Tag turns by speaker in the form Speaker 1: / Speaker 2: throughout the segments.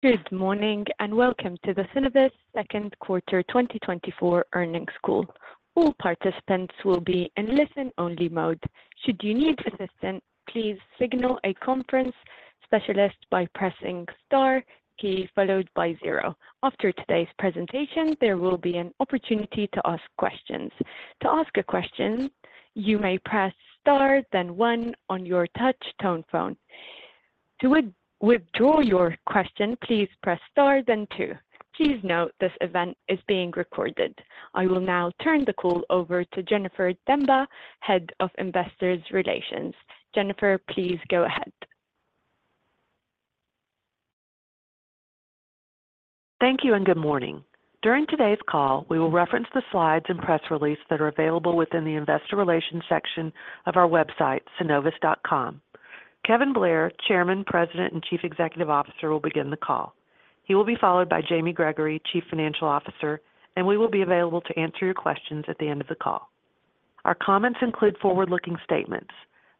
Speaker 1: Good morning, and welcome to the Synovus second quarter 2024 earnings call. All participants will be in listen-only mode. Should you need assistance, please signal a conference specialist by pressing star key followed by zero. After today's presentation, there will be an opportunity to ask questions. To ask a question, you may press star, then one on your touch tone phone. To withdraw your question, please press star, then two. Please note, this event is being recorded. I will now turn the call over to Jennifer Demba, Head of Investor Relations. Jennifer, please go ahead.
Speaker 2: Thank you and good morning. During today's call, we will reference the slides and press release that are available within the Investor Relations section of our website, synovus.com. Kevin Blair, Chairman, President, and Chief Executive Officer, will begin the call. He will be followed by Jamie Gregory, Chief Financial Officer, and we will be available to answer your questions at the end of the call. Our comments include forward-looking statements.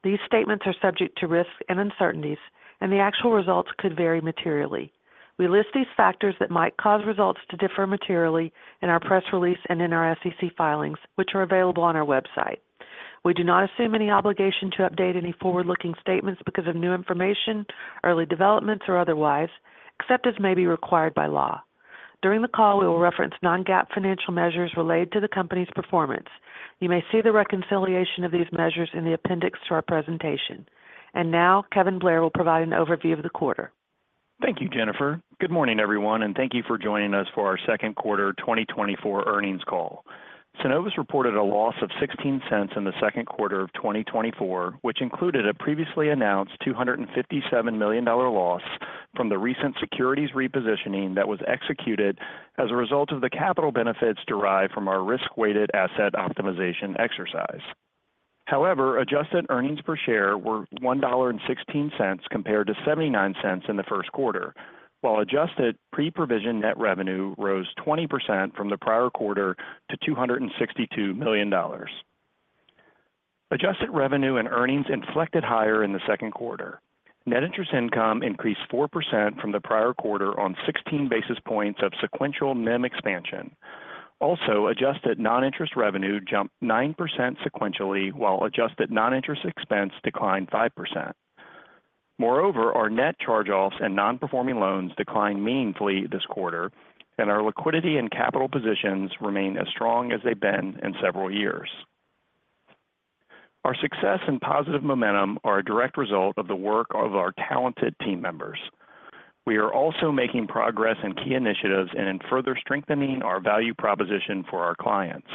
Speaker 2: These statements are subject to risks and uncertainties, and the actual results could vary materially. We list these factors that might cause results to differ materially in our press release and in our SEC filings, which are available on our website. We do not assume any obligation to update any forward-looking statements because of new information, early developments, or otherwise, except as may be required by law. During the call, we will reference non-GAAP financial measures related to the company's performance. You may see the reconciliation of these measures in the appendix to our presentation. Now, Kevin Blair will provide an overview of the quarter.
Speaker 3: Thank you, Jennifer. Good morning, everyone, and thank you for joining us for our second quarter 2024 earnings call. Synovus reported a loss of $0.16 in the second quarter of 2024, which included a previously announced $257 million loss from the recent securities repositioning that was executed as a result of the capital benefits derived from our risk-weighted asset optimization exercise. However, adjusted earnings per share were $1.16 compared to $0.79 in the first quarter, while adjusted pre-provision net revenue rose 20% from the prior quarter to $262 million. Adjusted revenue and earnings inflected higher in the second quarter. Net interest income increased 4% from the prior quarter on 16 basis points of sequential NIM expansion. Also, adjusted non-interest revenue jumped 9% sequentially, while adjusted non-interest expense declined 5%. Moreover, our net charge-offs and non-performing loans declined meaningfully this quarter, and our liquidity and capital positions remain as strong as they've been in several years. Our success and positive momentum are a direct result of the work of our talented team members. We are also making progress in key initiatives and in further strengthening our value proposition for our clients.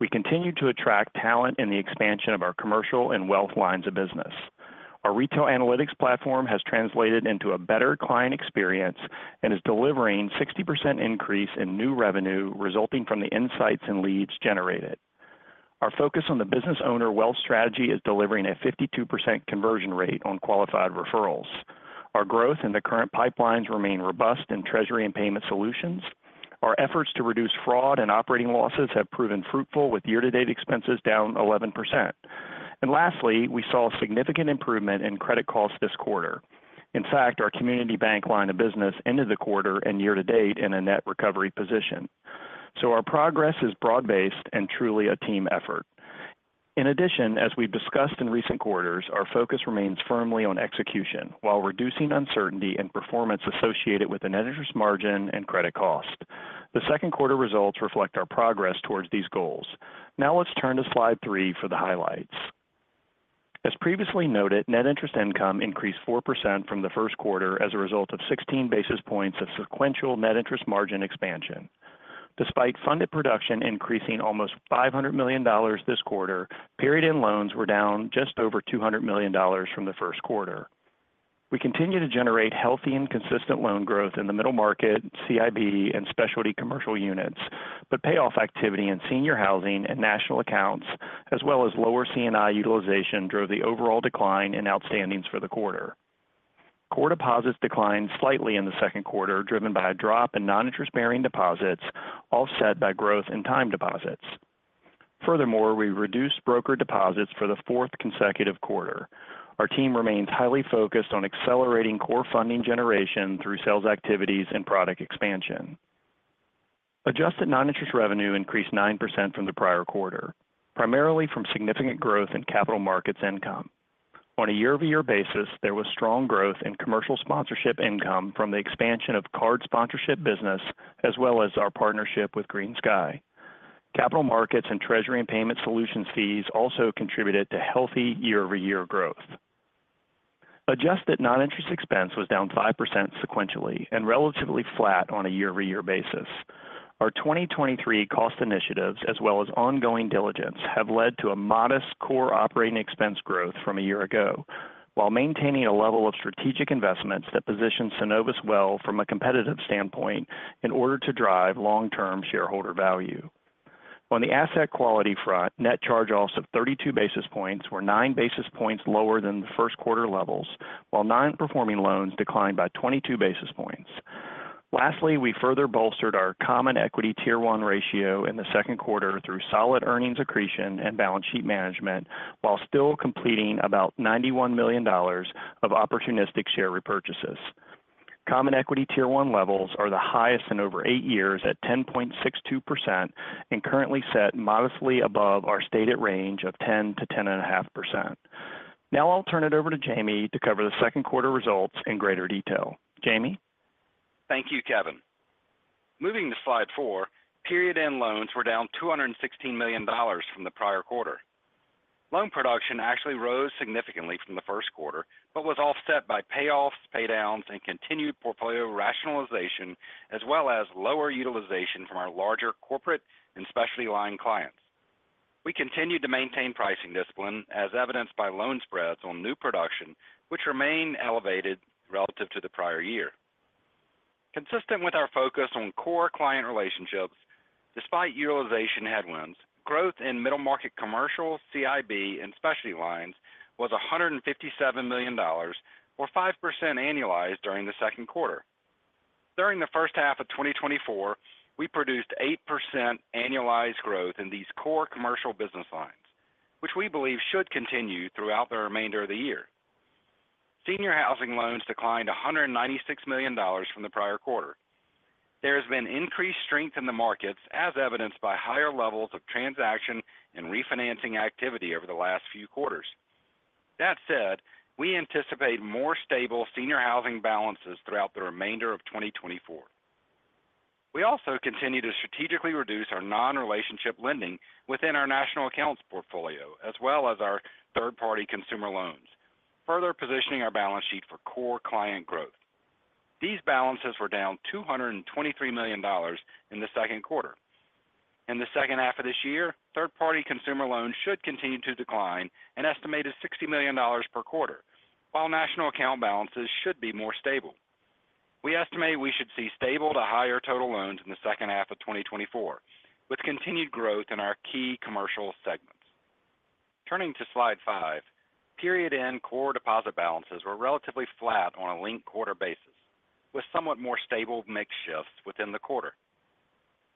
Speaker 3: We continue to attract talent in the expansion of our commercial and wealth lines of business. Our retail analytics platform has translated into a better client experience and is delivering 60% increase in new revenue resulting from the insights and leads generated. Our focus on the Business Owner Wealth strategy is delivering a 52% conversion rate on qualified referrals. Our growth in the current pipelines remain robust in Treasury and Payment Solutions. Our efforts to reduce fraud and operating losses have proven fruitful, with year-to-date expenses down 11%. Lastly, we saw a significant improvement in credit costs this quarter. In fact, our Community Bank line of business ended the quarter and year to date in a net recovery position. So our progress is broad-based and truly a team effort. In addition, as we've discussed in recent quarters, our focus remains firmly on execution while reducing uncertainty and performance associated with the net interest margin and credit cost. The second quarter results reflect our progress towards these goals. Now let's turn to Slide 3 for the highlights. As previously noted, net interest income increased 4% from the first quarter as a result of 16 basis points of sequential net interest margin expansion. Despite funded production increasing almost $500 million this quarter, period end loans were down just over $200 million from the first quarter. We continue to generate healthy and consistent loan growth in the Middle Market, CIB, and Specialty Commercial units, but payoff activity in Senior Housing and National Accounts, as well as lower C&I utilization, drove the overall decline in outstandings for the quarter. Core deposits declined slightly in the second quarter, driven by a drop in non-interest-bearing deposits, offset by growth in time deposits. Furthermore, we reduced brokered deposits for the fourth consecutive quarter. Our team remains highly focused on accelerating core funding generation through sales activities and product expansion. Adjusted non-interest revenue increased 9% from the prior quarter, primarily from significant growth in capital markets income On a year-over-year basis, there was strong growth in commercial sponsorship income from the expansion of card sponsorship business, as well as our partnership with GreenSky. Capital markets and Treasury and Payment Solutions fees also contributed to healthy year-over-year growth. Adjusted non-interest expense was down 5% sequentially and relatively flat on a year-over-year basis. Our 2023 cost initiatives, as well as ongoing diligence, have led to a modest core operating expense growth from a year ago while maintaining a level of strategic investments that position Synovus well from a competitive standpoint in order to drive long-term shareholder value. On the asset quality front, net charge-offs of 32 basis points were 9 basis points lower than the first quarter levels, while non-performing loans declined by 22 basis points. Lastly, we further bolstered our Common Equity Tier 1 ratio in the second quarter through solid earnings accretion and balance sheet management, while still completing about $91 million of opportunistic share repurchases. Common Equity Tier 1 levels are the highest in over eight years at 10.62% and currently set modestly above our stated range of 10%-10.5%. Now I'll turn it over to Jamie to cover the second quarter results in greater detail. Jamie?
Speaker 4: Thank you, Kevin. Moving to Slide 4, period-end loans were down $216 million from the prior quarter. Loan production actually rose significantly from the first quarter, but was offset by payoffs, paydowns, and continued portfolio rationalization, as well as lower utilization from our larger corporate and specialty line clients. We continued to maintain pricing discipline, as evidenced by loan spreads on new production, which remain elevated relative to the prior year. Consistent with our focus on core client relationships, despite utilization headwinds, growth in Middle Market Commercial CIB and specialty lines was $157 million, or 5% annualized during the second quarter. During the first half of 2024, we produced 8% annualized growth in these core commercial business lines, which we believe should continue throughout the remainder of the year. Senior Housing loans declined $196 million from the prior quarter. There has been increased strength in the markets, as evidenced by higher levels of transaction and refinancing activity over the last few quarters. That said, we anticipate more stable Senior Housing balances throughout the remainder of 2024. We also continue to strategically reduce our non-relationship lending within our National Accounts portfolio, as well as our third-party consumer loans, further positioning our balance sheet for core client growth. These balances were down $223 million in the second quarter. In the second half of this year, third-party consumer loans should continue to decline an estimated $60 million per quarter, while National Accounts balances should be more stable. We estimate we should see stable to higher total loans in the second half of 2024, with continued growth in our key commercial segments. Turning to Slide 5, period-end core deposit balances were relatively flat on a linked quarter basis, with somewhat more stable mix shifts within the quarter.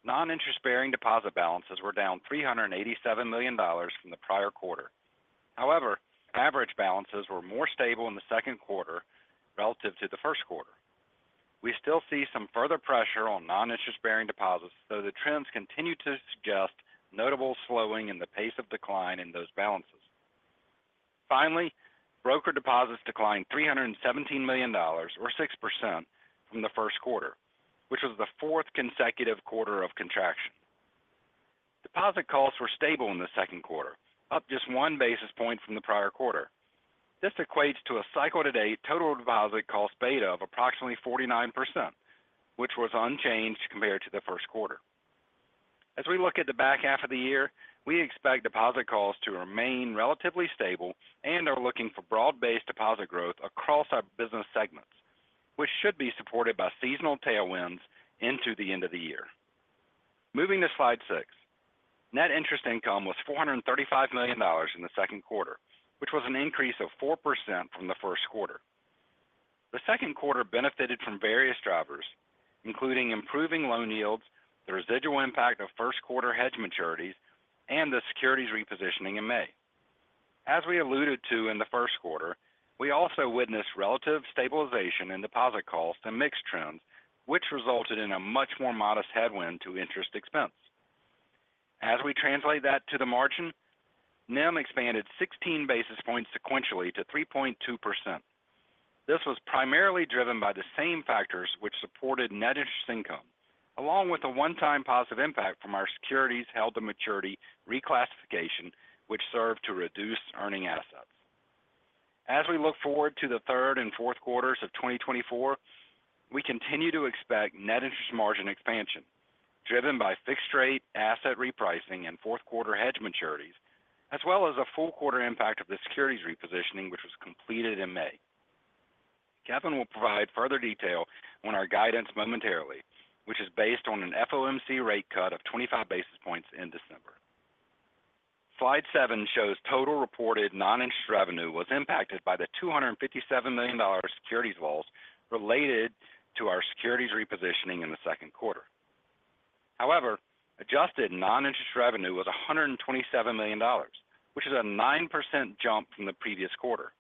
Speaker 4: Non-interest-bearing deposit balances were down $387 million from the prior quarter. However, average balances were more stable in the second quarter relative to the first quarter. We still see some further pressure on non-interest-bearing deposits, though the trends continue to suggest notable slowing in the pace of decline in those balances. Finally, brokered deposits declined $317 million, or 6% from the first quarter, which was the fourth consecutive quarter of contraction. Deposit costs were stable in the second quarter, up just 1 basis point from the prior quarter. This equates to a cycle-to-date total deposit cost beta of approximately 49%, which was unchanged compared to the first quarter. As we look at the back half of the year, we expect deposit costs to remain relatively stable and are looking for broad-based deposit growth across our business segments, which should be supported by seasonal tailwinds into the end of the year. Moving to Slide 6. Net interest income was $435 million in the second quarter, which was an increase of 4% from the first quarter. The second quarter benefited from various drivers, including improving loan yields, the residual impact of first quarter hedge maturities, and the securities repositioning in May. As we alluded to in the first quarter, we also witnessed relative stabilization in deposit costs and mix trends, which resulted in a much more modest headwind to interest expense. As we translate that to the margin, NIM expanded 16 basis points sequentially to 3.2%. This was primarily driven by the same factors which supported net interest income, along with a one-time positive impact from our securities held-to-maturity reclassification, which served to reduce earning assets. As we look forward to the third and fourth quarters of 2024, we continue to expect net interest margin expansion, driven by fixed rate asset repricing and fourth quarter hedge maturities, as well as a full quarter impact of the securities repositioning, which was completed in May. Kevin will provide further detail on our guidance momentarily, which is based on an FOMC rate cut of 25 basis points in December. Slide 7 shows total reported non-interest revenue was impacted by the $257 million securities sales related to our securities repositioning in the second quarter. However, adjusted non-interest revenue was $127 million, which is a 9% jump from the previous quarter.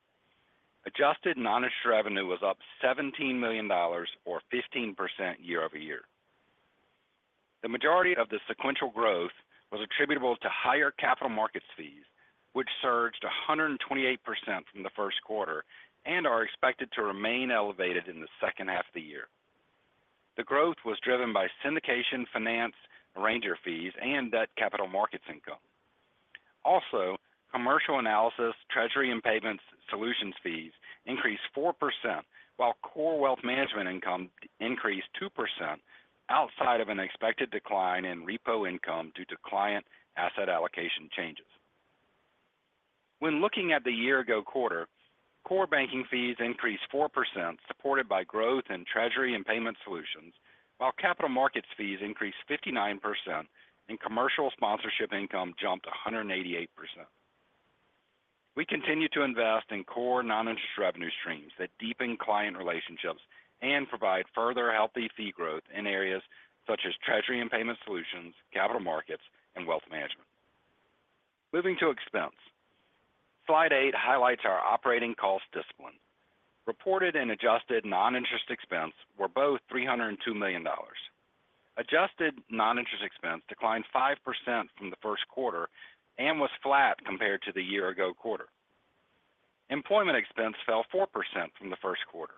Speaker 4: Adjusted non-interest revenue was up $17 million or 15% year-over-year. The majority of the sequential growth was attributable to higher capital markets fees, which surged 128% from the first quarter and are expected to remain elevated in the second half of the year. The growth was driven by syndication, finance, arranger fees, and debt capital markets income. Also, commercial analysis, Treasury and Payment Solutions fees increased 4%, while core wealth management income increased 2% outside of an expected decline in repo income due to client asset allocation changes. When looking at the year ago quarter, core banking fees increased 4%, supported by growth in Treasury and Payment Solutions, while capital markets fees increased 59% and commercial sponsorship income jumped 188%.... We continue to invest in core non-interest revenue streams that deepen client relationships and provide further healthy fee growth in areas such as Treasury and Payment Solutions, capital markets, and wealth management. Moving to expense. Slide 8 highlights our operating cost discipline. Reported and adjusted non-interest expense were both $302 million. Adjusted non-interest expense declined 5% from the first quarter and was flat compared to the year ago quarter. Employment expense fell 4% from the first quarter,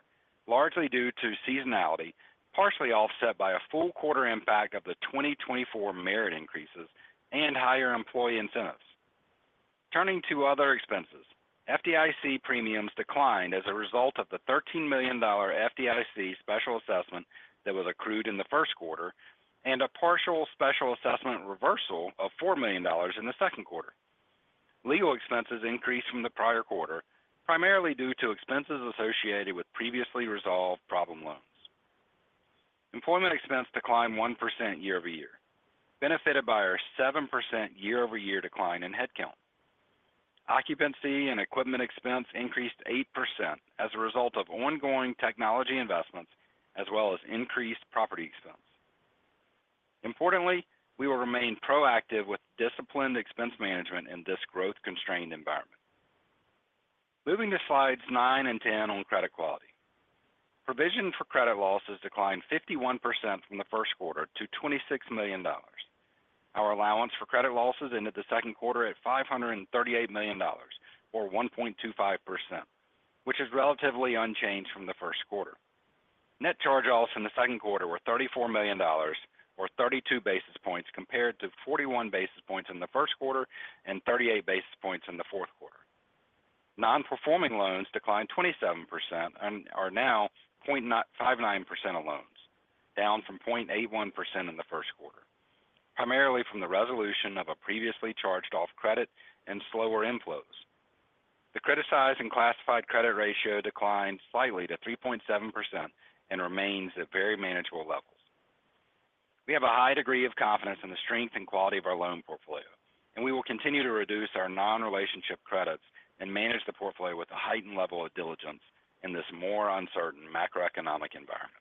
Speaker 4: largely due to seasonality, partially offset by a full quarter impact of the 2024 merit increases and higher employee incentives. Turning to other expenses, FDIC premiums declined as a result of the $13 million FDIC special assessment that was accrued in the first quarter, and a partial special assessment reversal of $4 million in the second quarter. Legal expenses increased from the prior quarter, primarily due to expenses associated with previously resolved problem loans. Employment expense declined 1% year-over-year, benefited by our 7% year-over-year decline in headcount. Occupancy and equipment expense increased 8% as a result of ongoing technology investments as well as increased property expense. Importantly, we will remain proactive with disciplined expense management in this growth-constrained environment. Moving to Slides 9 and 10 on credit quality. Provision for credit losses declined 51% from the first quarter to $26 million. Our allowance for credit losses ended the second quarter at $538 million, or 1.25%, which is relatively unchanged from the first quarter. Net charge offs in the second quarter were $34 million, or 32 basis points, compared to 41 basis points in the first quarter and 38 basis points in the fourth quarter. Non-performing loans declined 27% and are now 0.59% of loans, down from 0.81% in the first quarter, primarily from the resolution of a previously charged-off credit and slower inflows. The criticized and classified credit ratio declined slightly to 3.7% and remains at very manageable levels. We have a high degree of confidence in the strength and quality of our loan portfolio, and we will continue to reduce our non-relationship credits and manage the portfolio with a heightened level of diligence in this more uncertain macroeconomic environment.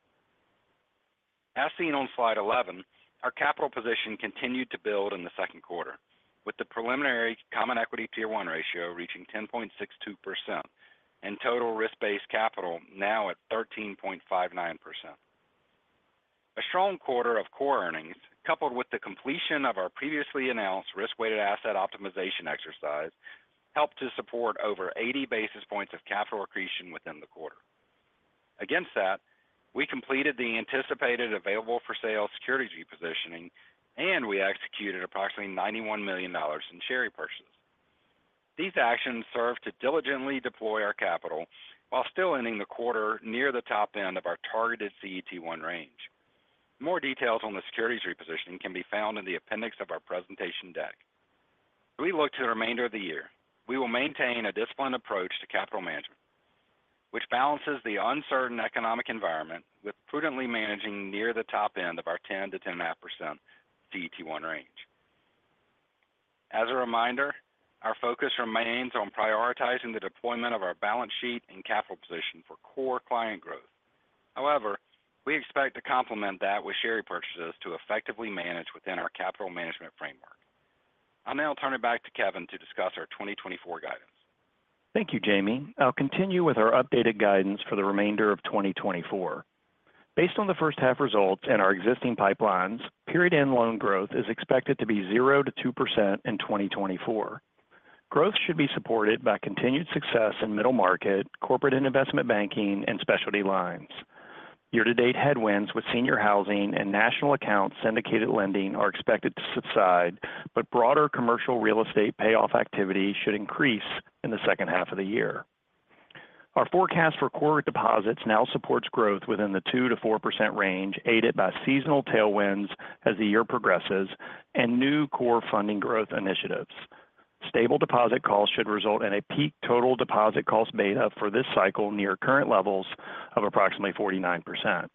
Speaker 4: As seen on Slide 11, our capital position continued to build in the second quarter, with the preliminary Common Equity Tier 1 ratio reaching 10.62% and total risk-based capital now at 13.59%. A strong quarter of core earnings, coupled with the completion of our previously announced risk-weighted asset optimization exercise, helped to support over 80 basis points of capital accretion within the quarter. Against that, we completed the anticipated available-for-sale securities repositioning, and we executed approximately $91 million in share repurchases. These actions serve to diligently deploy our capital while still ending the quarter near the top end of our targeted CET1 range. More details on the securities repositioning can be found in the appendix of our presentation deck. We look to the remainder of the year. We will maintain a disciplined approach to capital management, which balances the uncertain economic environment with prudently managing near the top end of our 10%-10.5% CET1 range. As a reminder, our focus remains on prioritizing the deployment of our balance sheet and capital position for core client growth. However, we expect to complement that with share repurchases to effectively manage within our capital management framework. I'll now turn it back to Kevin to discuss our 2024 guidance.
Speaker 3: Thank you, Jamie. I'll continue with our updated guidance for the remainder of 2024. Based on the first half results and our existing pipelines, period-end loan growth is expected to be 0%-2% in 2024. Growth should be supported by continued success in Middle Market, Corporate and Investment Banking, and specialty lines. Year-to-date headwinds with Senior Housing and National Accounts syndicated lending are expected to subside, but broader commercial real estate payoff activity should increase in the second half of the year. Our forecast for core deposits now supports growth within the 2%-4% range, aided by seasonal tailwinds as the year progresses and new core funding growth initiatives. Stable deposit costs should result in a peak total deposit cost beta for this cycle near current levels of approximately 49%.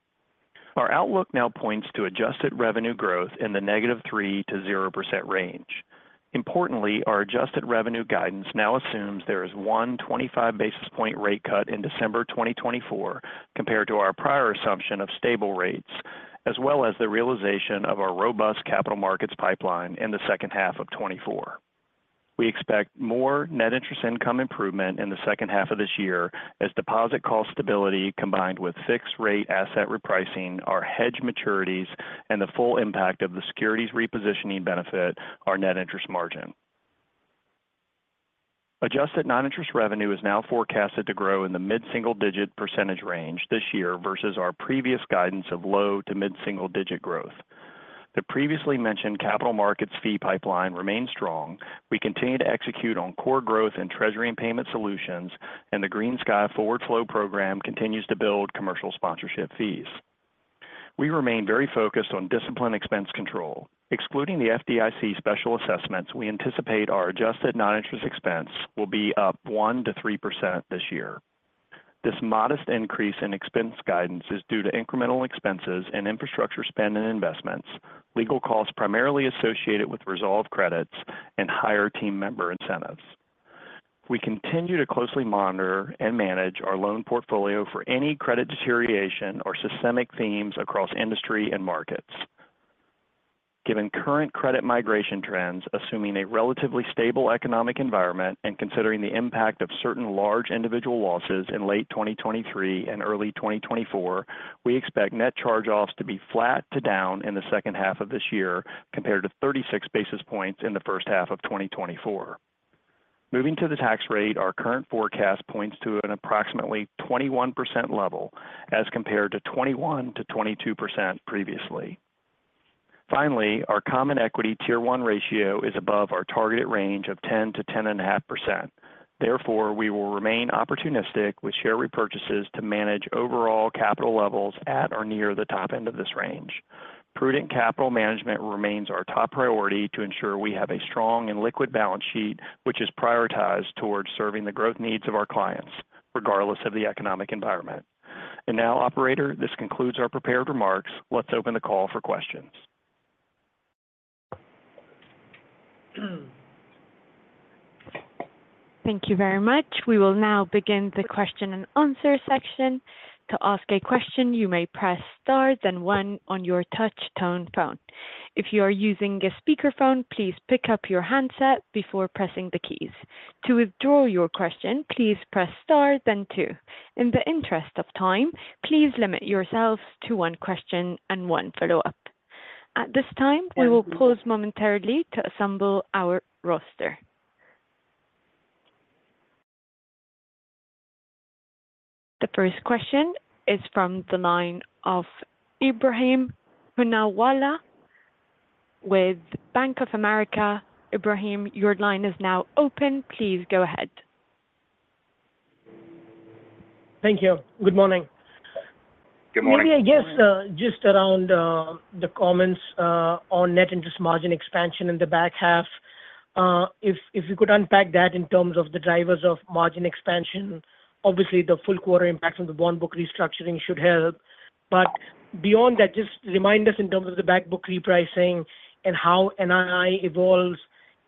Speaker 3: Our outlook now points to adjusted revenue growth in the -3%- 0% range. Importantly, our adjusted revenue guidance now assumes there is 125 basis point rate cut in December 2024 compared to our prior assumption of stable rates, as well as the realization of our robust capital markets pipeline in the second half of 2024. We expect more net interest income improvement in the second half of this year as deposit cost stability, combined with fixed rate asset repricing, our hedge maturities, and the full impact of the securities repositioning benefit, our net interest margin. Adjusted non-interest revenue is now forecasted to grow in the mid-single digit % range this year versus our previous guidance of low- to mid-single digit growth. The previously mentioned capital markets fee pipeline remains strong. We continue to execute on core growth in Treasury and Payment Solutions, and the GreenSky forward flow program continues to build commercial sponsorship fees. We remain very focused on disciplined expense control. Excluding the FDIC special assessments, we anticipate our adjusted non-interest expense will be up 1%-3% this year. ... This modest increase in expense guidance is due to incremental expenses and infrastructure spend and investments, legal costs primarily associated with resolved credits, and higher team member incentives. We continue to closely monitor and manage our loan portfolio for any credit deterioration or systemic themes across industry and markets. Given current credit migration trends, assuming a relatively stable economic environment and considering the impact of certain large individual losses in late 2023 and early 2024, we expect net charge-offs to be flat to down in the second half of this year, compared to 36 basis points in the first half of 2024. Moving to the tax rate, our current forecast points to an approximately 21% level as compared to 21%-22% previously. Finally, our common equity Tier 1 ratio is above our targeted range of 10 to 10.5%. Therefore, we will remain opportunistic with share repurchases to manage overall capital levels at or near the top end of this range. Prudent capital management remains our top priority to ensure we have a strong and liquid balance sheet, which is prioritized towards serving the growth needs of our clients, regardless of the economic environment. And now, operator, this concludes our prepared remarks. Let's open the call for questions.
Speaker 1: Thank you very much. We will now begin the question and answer section. To ask a question, you may press star then one on your touch tone phone. If you are using a speakerphone, please pick up your handset before pressing the keys. To withdraw your question, please press star then two. In the interest of time, please limit yourselves to one question and one follow-up. At this time, we will pause momentarily to assemble our roster. The first question is from the line of Ebrahim Poonawala with Bank of America. Ebrahim, your line is now open. Please go ahead.
Speaker 5: Thank you. Good morning.
Speaker 4: Good morning.
Speaker 5: Maybe, I guess, just around the comments on Net Interest Margin expansion in the back half. If you could unpack that in terms of the drivers of margin expansion. Obviously, the full quarter impact from the bond book restructuring should help. But beyond that, just remind us in terms of the back book repricing and how NII evolves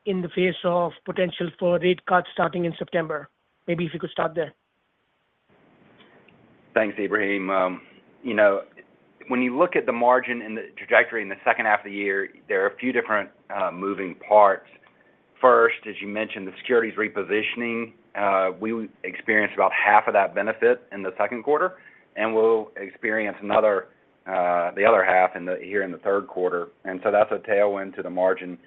Speaker 5: in the face of potential for rate cuts starting in September. Maybe if you could start there.
Speaker 4: Thanks, Ebrahim. You know, when you look at the margin and the trajectory in the second half of the year, there are a few different moving parts. First, as you mentioned, the securities repositioning, we experienced about half of that benefit in the second quarter, and we'll experience another, the other half here in the third quarter. And so that's a tailwind to the margin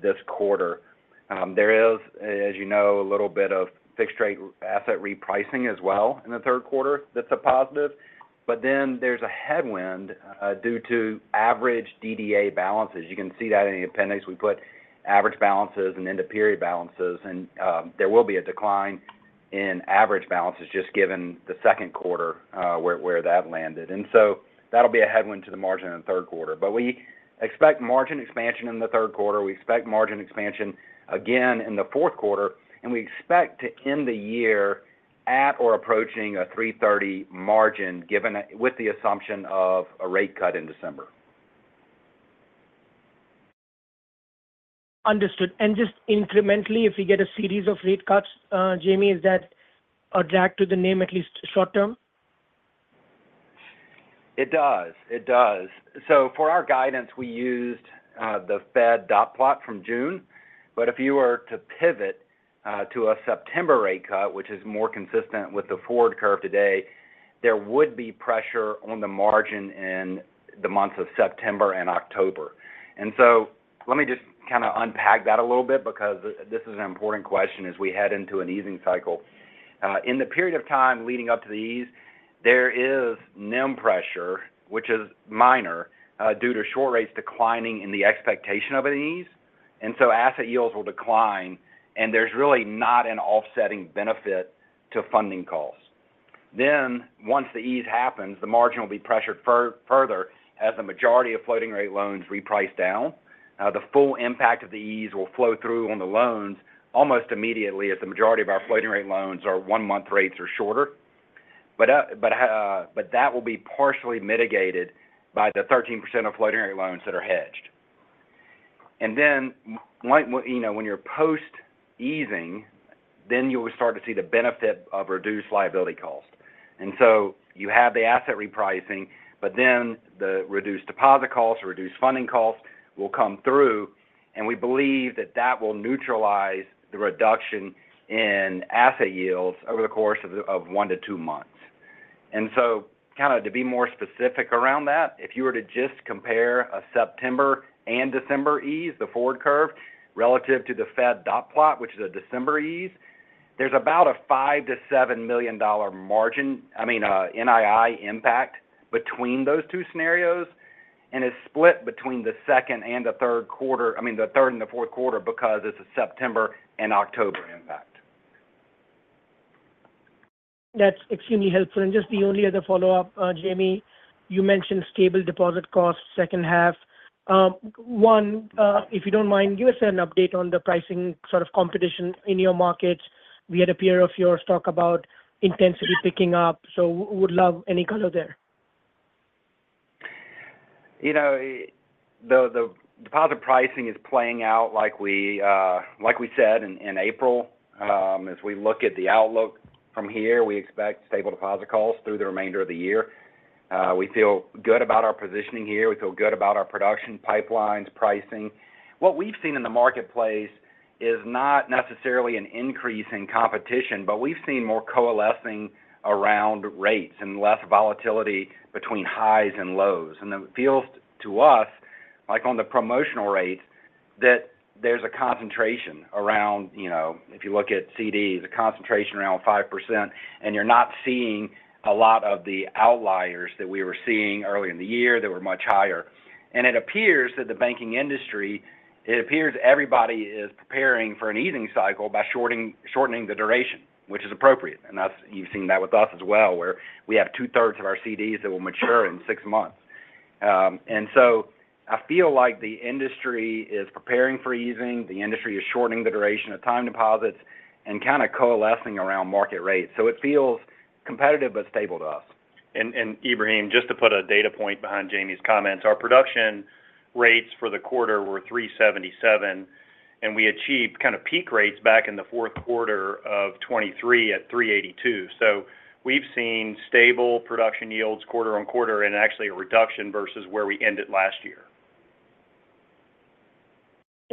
Speaker 4: this quarter. There is, as you know, a little bit of fixed rate asset repricing as well in the third quarter. That's a positive. But then there's a headwind due to average DDA balances. You can see that in the appendix. We put average balances and end of period balances, and there will be a decline in average balances just given the second quarter, where that landed. And so that'll be a headwind to the margin in the third quarter. But we expect margin expansion in the third quarter. We expect margin expansion again in the fourth quarter, and we expect to end the year at or approaching a 3.30 margin, given that, with the assumption of a rate cut in December.
Speaker 5: Understood. Just incrementally, if we get a series of rate cuts, Jamie, is that a drag to the NIM, at least short term?
Speaker 4: It does. It does. So for our guidance, we used the Fed dot plot from June. But if you were to pivot to a September rate cut, which is more consistent with the forward curve today, there would be pressure on the margin in the months of September and October. And so let me just kind of unpack that a little bit because this is an important question as we head into an easing cycle. In the period of time leading up to the ease, there is NIM pressure, which is minor, due to short rates declining in the expectation of an ease, and so asset yields will decline, and there's really not an offsetting benefit to funding costs. Then, once the ease happens, the margin will be pressured further as the majority of floating rate loans reprice down. The full impact of the ease will flow through on the loans almost immediately, as the majority of our floating rate loans are 1-month rates or shorter. But that will be partially mitigated by the 13% of floating rate loans that are hedged. And then, like, you know, when you're post-easing, then you will start to see the benefit of reduced liability costs. And so you have the asset repricing, but then the reduced deposit costs, reduced funding costs will come through, and we believe that that will neutralize the reduction in asset yields over the course of 1 -2 months. And so kind of to be more specific around that, if you were to just compare a September and December FOMC, the forward curve, relative to the Fed dot plot, which is a December FOMC, there's about a $5-$7 million margin—I mean, NII impact between those two scenarios, and it's split between the second and the third quarter, I mean, the third and the fourth quarter, because it's a September and October impact.
Speaker 5: That's extremely helpful. Just the only other follow-up, Jamie, you mentioned stable deposit costs, second half. One, if you don't mind, give us an update on the pricing sort of competition in your markets. We had a peer of yours talk about intensity picking up, so would love any color there....
Speaker 4: You know, the deposit pricing is playing out like we said in April. As we look at the outlook from here, we expect stable deposit costs through the remainder of the year. We feel good about our positioning here. We feel good about our production pipelines, pricing. What we've seen in the marketplace is not necessarily an increase in competition, but we've seen more coalescing around rates and less volatility between highs and lows. It feels to us like on the promotional rates, that there's a concentration around, you know, if you look at CDs, a concentration around 5%, and you're not seeing a lot of the outliers that we were seeing earlier in the year that were much higher. It appears that the banking industry, it appears everybody is preparing for an easing cycle by shortening the duration, which is appropriate. And that's. You've seen that with us as well, where we have two-thirds of our CDs that will mature in six months. And so I feel like the industry is preparing for easing, the industry is shortening the duration of time deposits and kind of coalescing around market rates. So it feels competitive but stable to us.
Speaker 3: And, Ebrahim, just to put a data point behind Jamie's comments, our production rates for the quarter were 377, and we achieved kind of peak rates back in the fourth quarter of 2023 at 382. So we've seen stable production yields quarter-on-quarter and actually a reduction versus where we ended last year.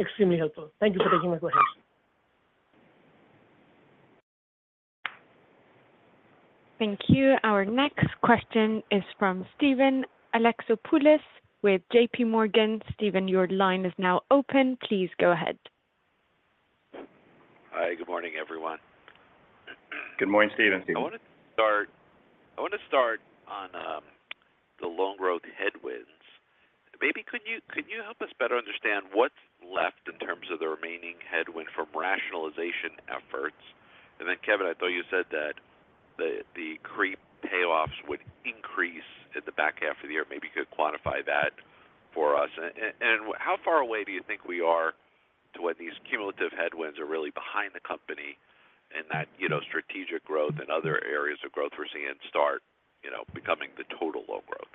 Speaker 5: Extremely helpful. Thank you for taking my call.
Speaker 1: Thank you. Our next question is from Steven Alexopoulos with JPMorgan. Steven, your line is now open. Please go ahead.
Speaker 6: Hi, good morning, everyone.
Speaker 3: Good morning, Steven.
Speaker 6: I want to start on the loan growth headwinds. Maybe could you help us better understand what's left in terms of the remaining headwind from rationalization efforts? And then, Kevin, I thought you said that the CRE payoffs would increase in the back half of the year. Maybe you could quantify that for us. And how far away do you think we are to when these cumulative headwinds are really behind the company and that, you know, strategic growth and other areas of growth we're seeing start, you know, becoming the total loan growth?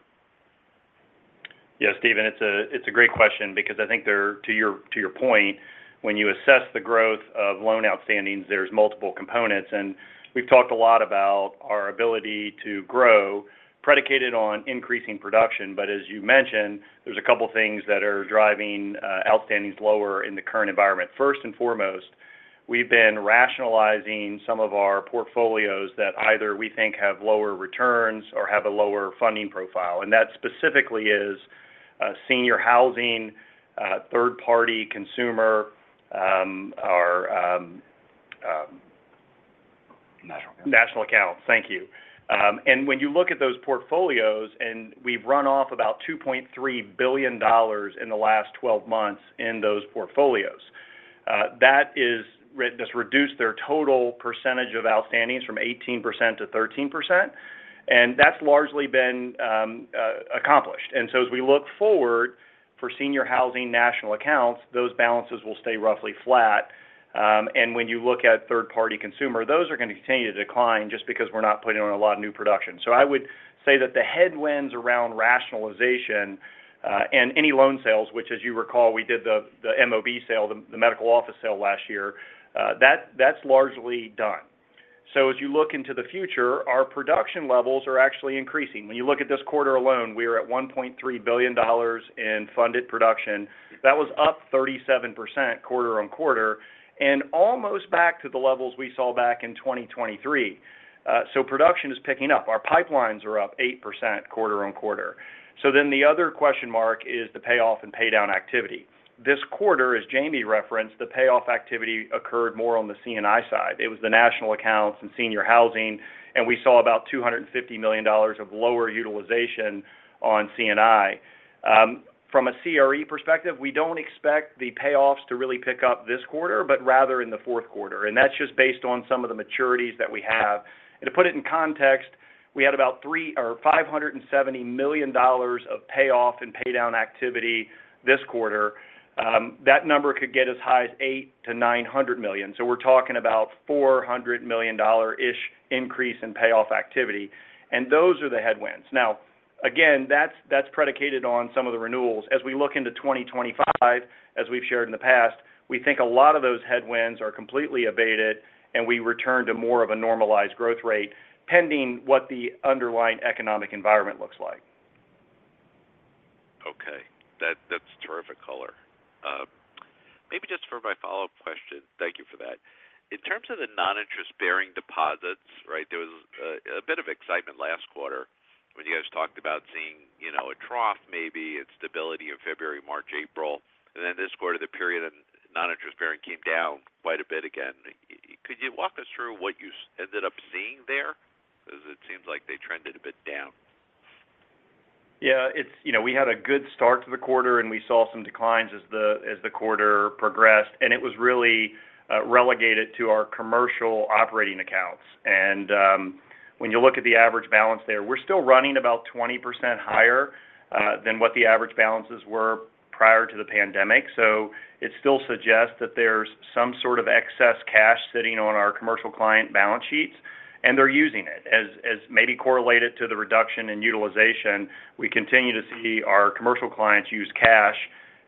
Speaker 3: Yeah, Steven, it's a great question because I think there, to your point, when you assess the growth of loan outstandings, there's multiple components, and we've talked a lot about our ability to grow predicated on increasing production. But as you mentioned, there's a couple things that are driving outstandings lower in the current environment. First and foremost, we've been rationalizing some of our portfolios that either we think have lower returns or have a lower funding profile. And that specifically is Senior Housing, third-party consumer, our
Speaker 4: National Accounts.
Speaker 3: National Accounts. Thank you. And when you look at those portfolios, and we've run off about $2.3 billion in the last 12 months in those portfolios, that is, that's reduced their total percentage of outstandings from 18% to 13%, and that's largely been accomplished. And so as we look forward for Senior Housing National Accounts, those balances will stay roughly flat. And when you look at third-party consumer, those are going to continue to decline just because we're not putting on a lot of new production. So I would say that the headwinds around rationalization and any loan sales, which as you recall, we did the MOB sale, the medical office sale last year, that, that's largely done. So as you look into the future, our production levels are actually increasing. When you look at this quarter alone, we are at $1.3 billion in funded production. That was up 37% quarter-over-quarter and almost back to the levels we saw back in 2023. So production is picking up. Our pipelines are up 8% quarter-over-quarter. So then the other question mark is the payoff and paydown activity. This quarter, as Jamie referenced, the payoff activity occurred more on the C&I side. It was the National Accounts and Senior Housing, and we saw about $250 million of lower utilization on C&I. From a CRE perspective, we don't expect the payoffs to really pick up this quarter, but rather in the fourth quarter, and that's just based on some of the maturities that we have. To put it in context, we had about $357 million of payoff and paydown activity this quarter. That number could get as high as $800 million-$900 million. So we're talking about $400 million-ish increase in payoff activity, and those are the headwinds. Now, again, that's predicated on some of the renewals. As we look into 2025, as we've shared in the past, we think a lot of those headwinds are completely abated and we return to more of a normalized growth rate, pending what the underlying economic environment looks like.
Speaker 6: Okay. That's terrific color. Maybe just for my follow-up question, thank you for that. In terms of the non-interest-bearing deposits, right? There was a bit of excitement last quarter when you guys talked about seeing, you know, a trough, maybe, and stability in February, March, April, and then this quarter, the period of non-interest-bearing came down quite a bit again. Could you walk us through what you ended up seeing there? Because it seems like they trended a bit down.
Speaker 3: Yeah, you know, we had a good start to the quarter, and we saw some declines as the quarter progressed, and it was really relegated to our commercial operating accounts. When you look at the average balance there, we're still running about 20% higher than what the average balances were prior to the pandemic. So it still suggests that there's some sort of excess cash sitting on our commercial client balance sheets... and they're using it. As maybe correlated to the reduction in utilization, we continue to see our commercial clients use cash.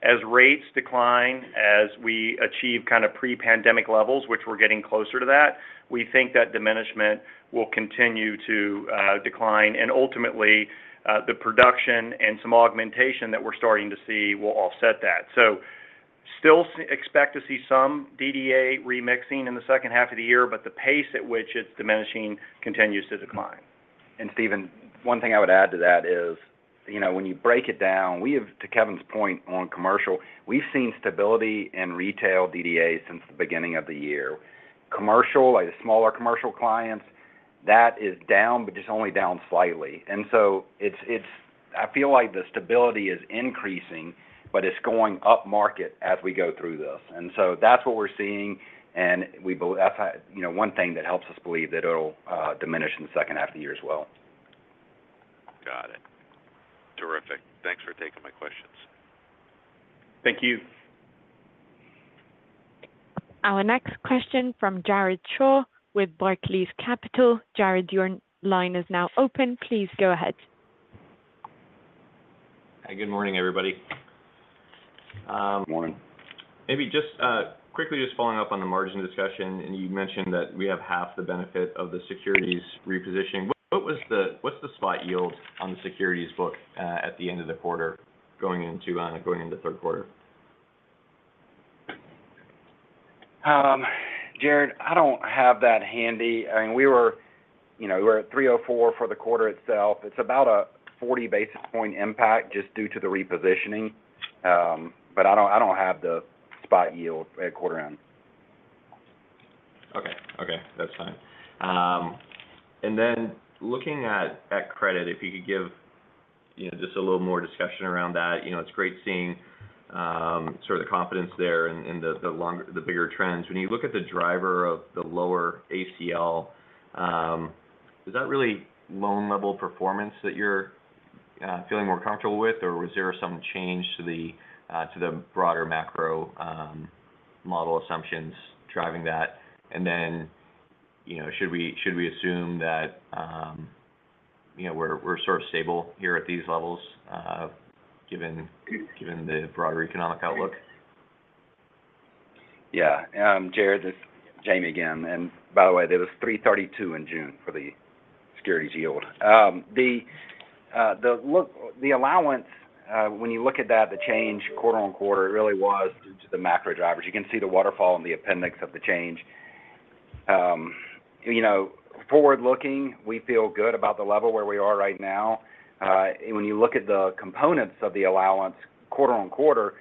Speaker 3: As rates decline, as we achieve kind of pre-pandemic levels, which we're getting closer to that, we think that diminishment will continue to decline, and ultimately the production and some augmentation that we're starting to see will offset that. So still expect to see some DDA remixing in the second half of the year, but the pace at which it's diminishing continues to decline.
Speaker 4: And Steven, one thing I would add to that is, you know, when you break it down, we have, to Kevin's point on commercial, we've seen stability in retail DDA since the beginning of the year. Commercial, like, the smaller commercial clients, that is down, but just only down slightly. And so it's, it's—I feel like the stability is increasing, but it's going upmarket as we go through this. And so that's what we're seeing, and we bel—That's, you know, one thing that helps us believe that it'll diminish in the second half of the year as well.
Speaker 6: Got it. Terrific. Thanks for taking my questions.
Speaker 4: Thank you.
Speaker 1: Our next question from Jared Shaw with Barclays Capital. Jared, your line is now open. Please go ahead.
Speaker 7: Hi, good morning, everybody. Maybe just, quickly, just following up on the margin discussion, and you mentioned that we have half the benefit of the securities repositioning. What's the spot yield on the securities book at the end of the quarter, going into the third quarter?
Speaker 4: Jared, I don't have that handy. I mean, we were, you know, we were at 304 for the quarter itself. It's about a 40 basis point impact just due to the repositioning. But I don't have the spot yield at quarter end.
Speaker 7: Okay. Okay, that's fine. And then looking at credit, if you could give, you know, just a little more discussion around that. You know, it's great seeing sort of the confidence there and the longer, the bigger trends. When you look at the driver of the lower ACL, is that really loan-level performance that you're feeling more comfortable with, or was there some change to the broader macro model assumptions driving that? And then, you know, should we assume that, you know, we're sort of stable here at these levels, given the broader economic outlook?
Speaker 4: Yeah. Jared, this is Jamie again, and by the way, it was 3.32 in June for the securities yield. The allowance, when you look at that, the change quarter-over-quarter, it really was due to the macro drivers. You can see the waterfall in the appendix of the change. You know, forward-looking, we feel good about the level where we are right now. When you look at the components of the allowance quarter-over-quarter,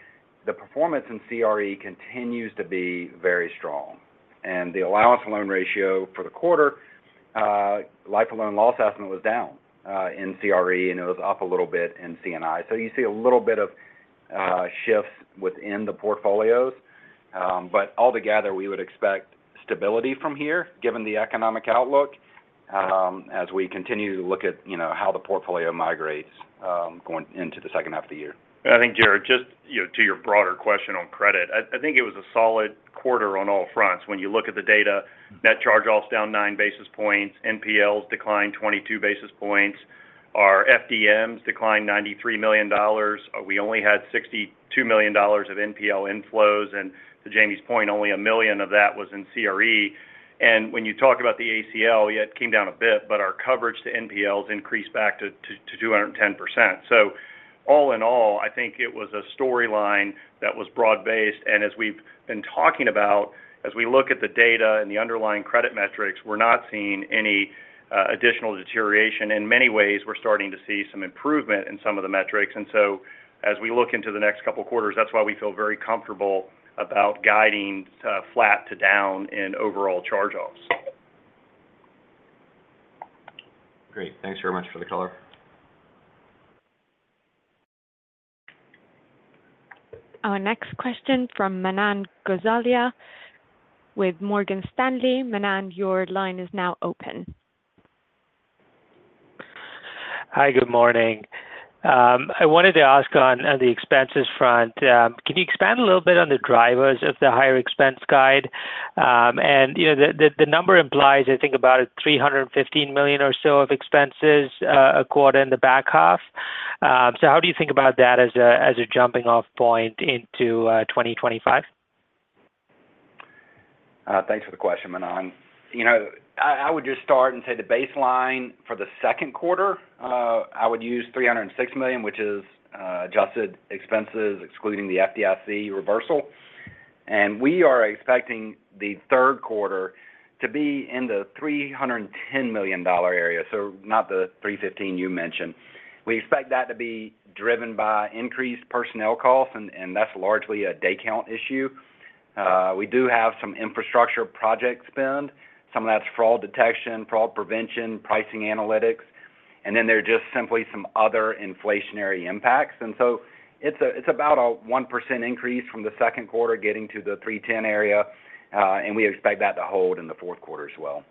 Speaker 4: the performance in CRE continues to be very strong. And the allowance loan ratio for the quarter, lifetime loan loss estimate was down, in CRE, and it was up a little bit in C&I. So you see a little bit of shifts within the portfolios, but altogether, we would expect stability from here, given the economic outlook, as we continue to look at, you know, how the portfolio migrates, going into the second half of the year.
Speaker 3: I think, Jared, just, you know, to your broader question on credit, I think it was a solid quarter on all fronts. When you look at the data, net charge-off is down 9 basis points, NPLs declined 22 basis points, our NPAs declined $93 million. We only had $62 million of NPL inflows, and to Jamie's point, only $1 million of that was in CRE. And when you talk about the ACL, yeah, it came down a bit, but our coverage to NPLs increased back to 210%. So all in all, I think it was a storyline that was broad-based, and as we've been talking about, as we look at the data and the underlying credit metrics, we're not seeing any additional deterioration. In many ways, we're starting to see some improvement in some of the metrics. And so as we look into the next couple of quarters, that's why we feel very comfortable about guiding flat to down in overall charge-offs.
Speaker 7: Great. Thanks very much for the color.
Speaker 1: Our next question from Manan Gosalia with Morgan Stanley. Manan, your line is now open.
Speaker 8: Hi, good morning. I wanted to ask on the expenses front, can you expand a little bit on the drivers of the higher expense guide? You know, the number implies, I think, about $315 million or so of expenses a quarter in the back half. How do you think about that as a jumping-off point into 2025?
Speaker 4: Thanks for the question, Manan. You know, I would just start and say the baseline for the second quarter, I would use $306 million, which is adjusted expenses, excluding the FDIC reversal. And we are expecting the third quarter to be in the $310 million area, so not the $315 you mentioned. We expect that to be driven by increased personnel costs, and that's largely a day count issue. We do have some infrastructure project spend. Some of that's fraud detection, fraud prevention, pricing analytics, and then there are just simply some other inflationary impacts. And so it's about a 1% increase from the second quarter getting to the $310 area, and we expect that to hold in the fourth quarter as well....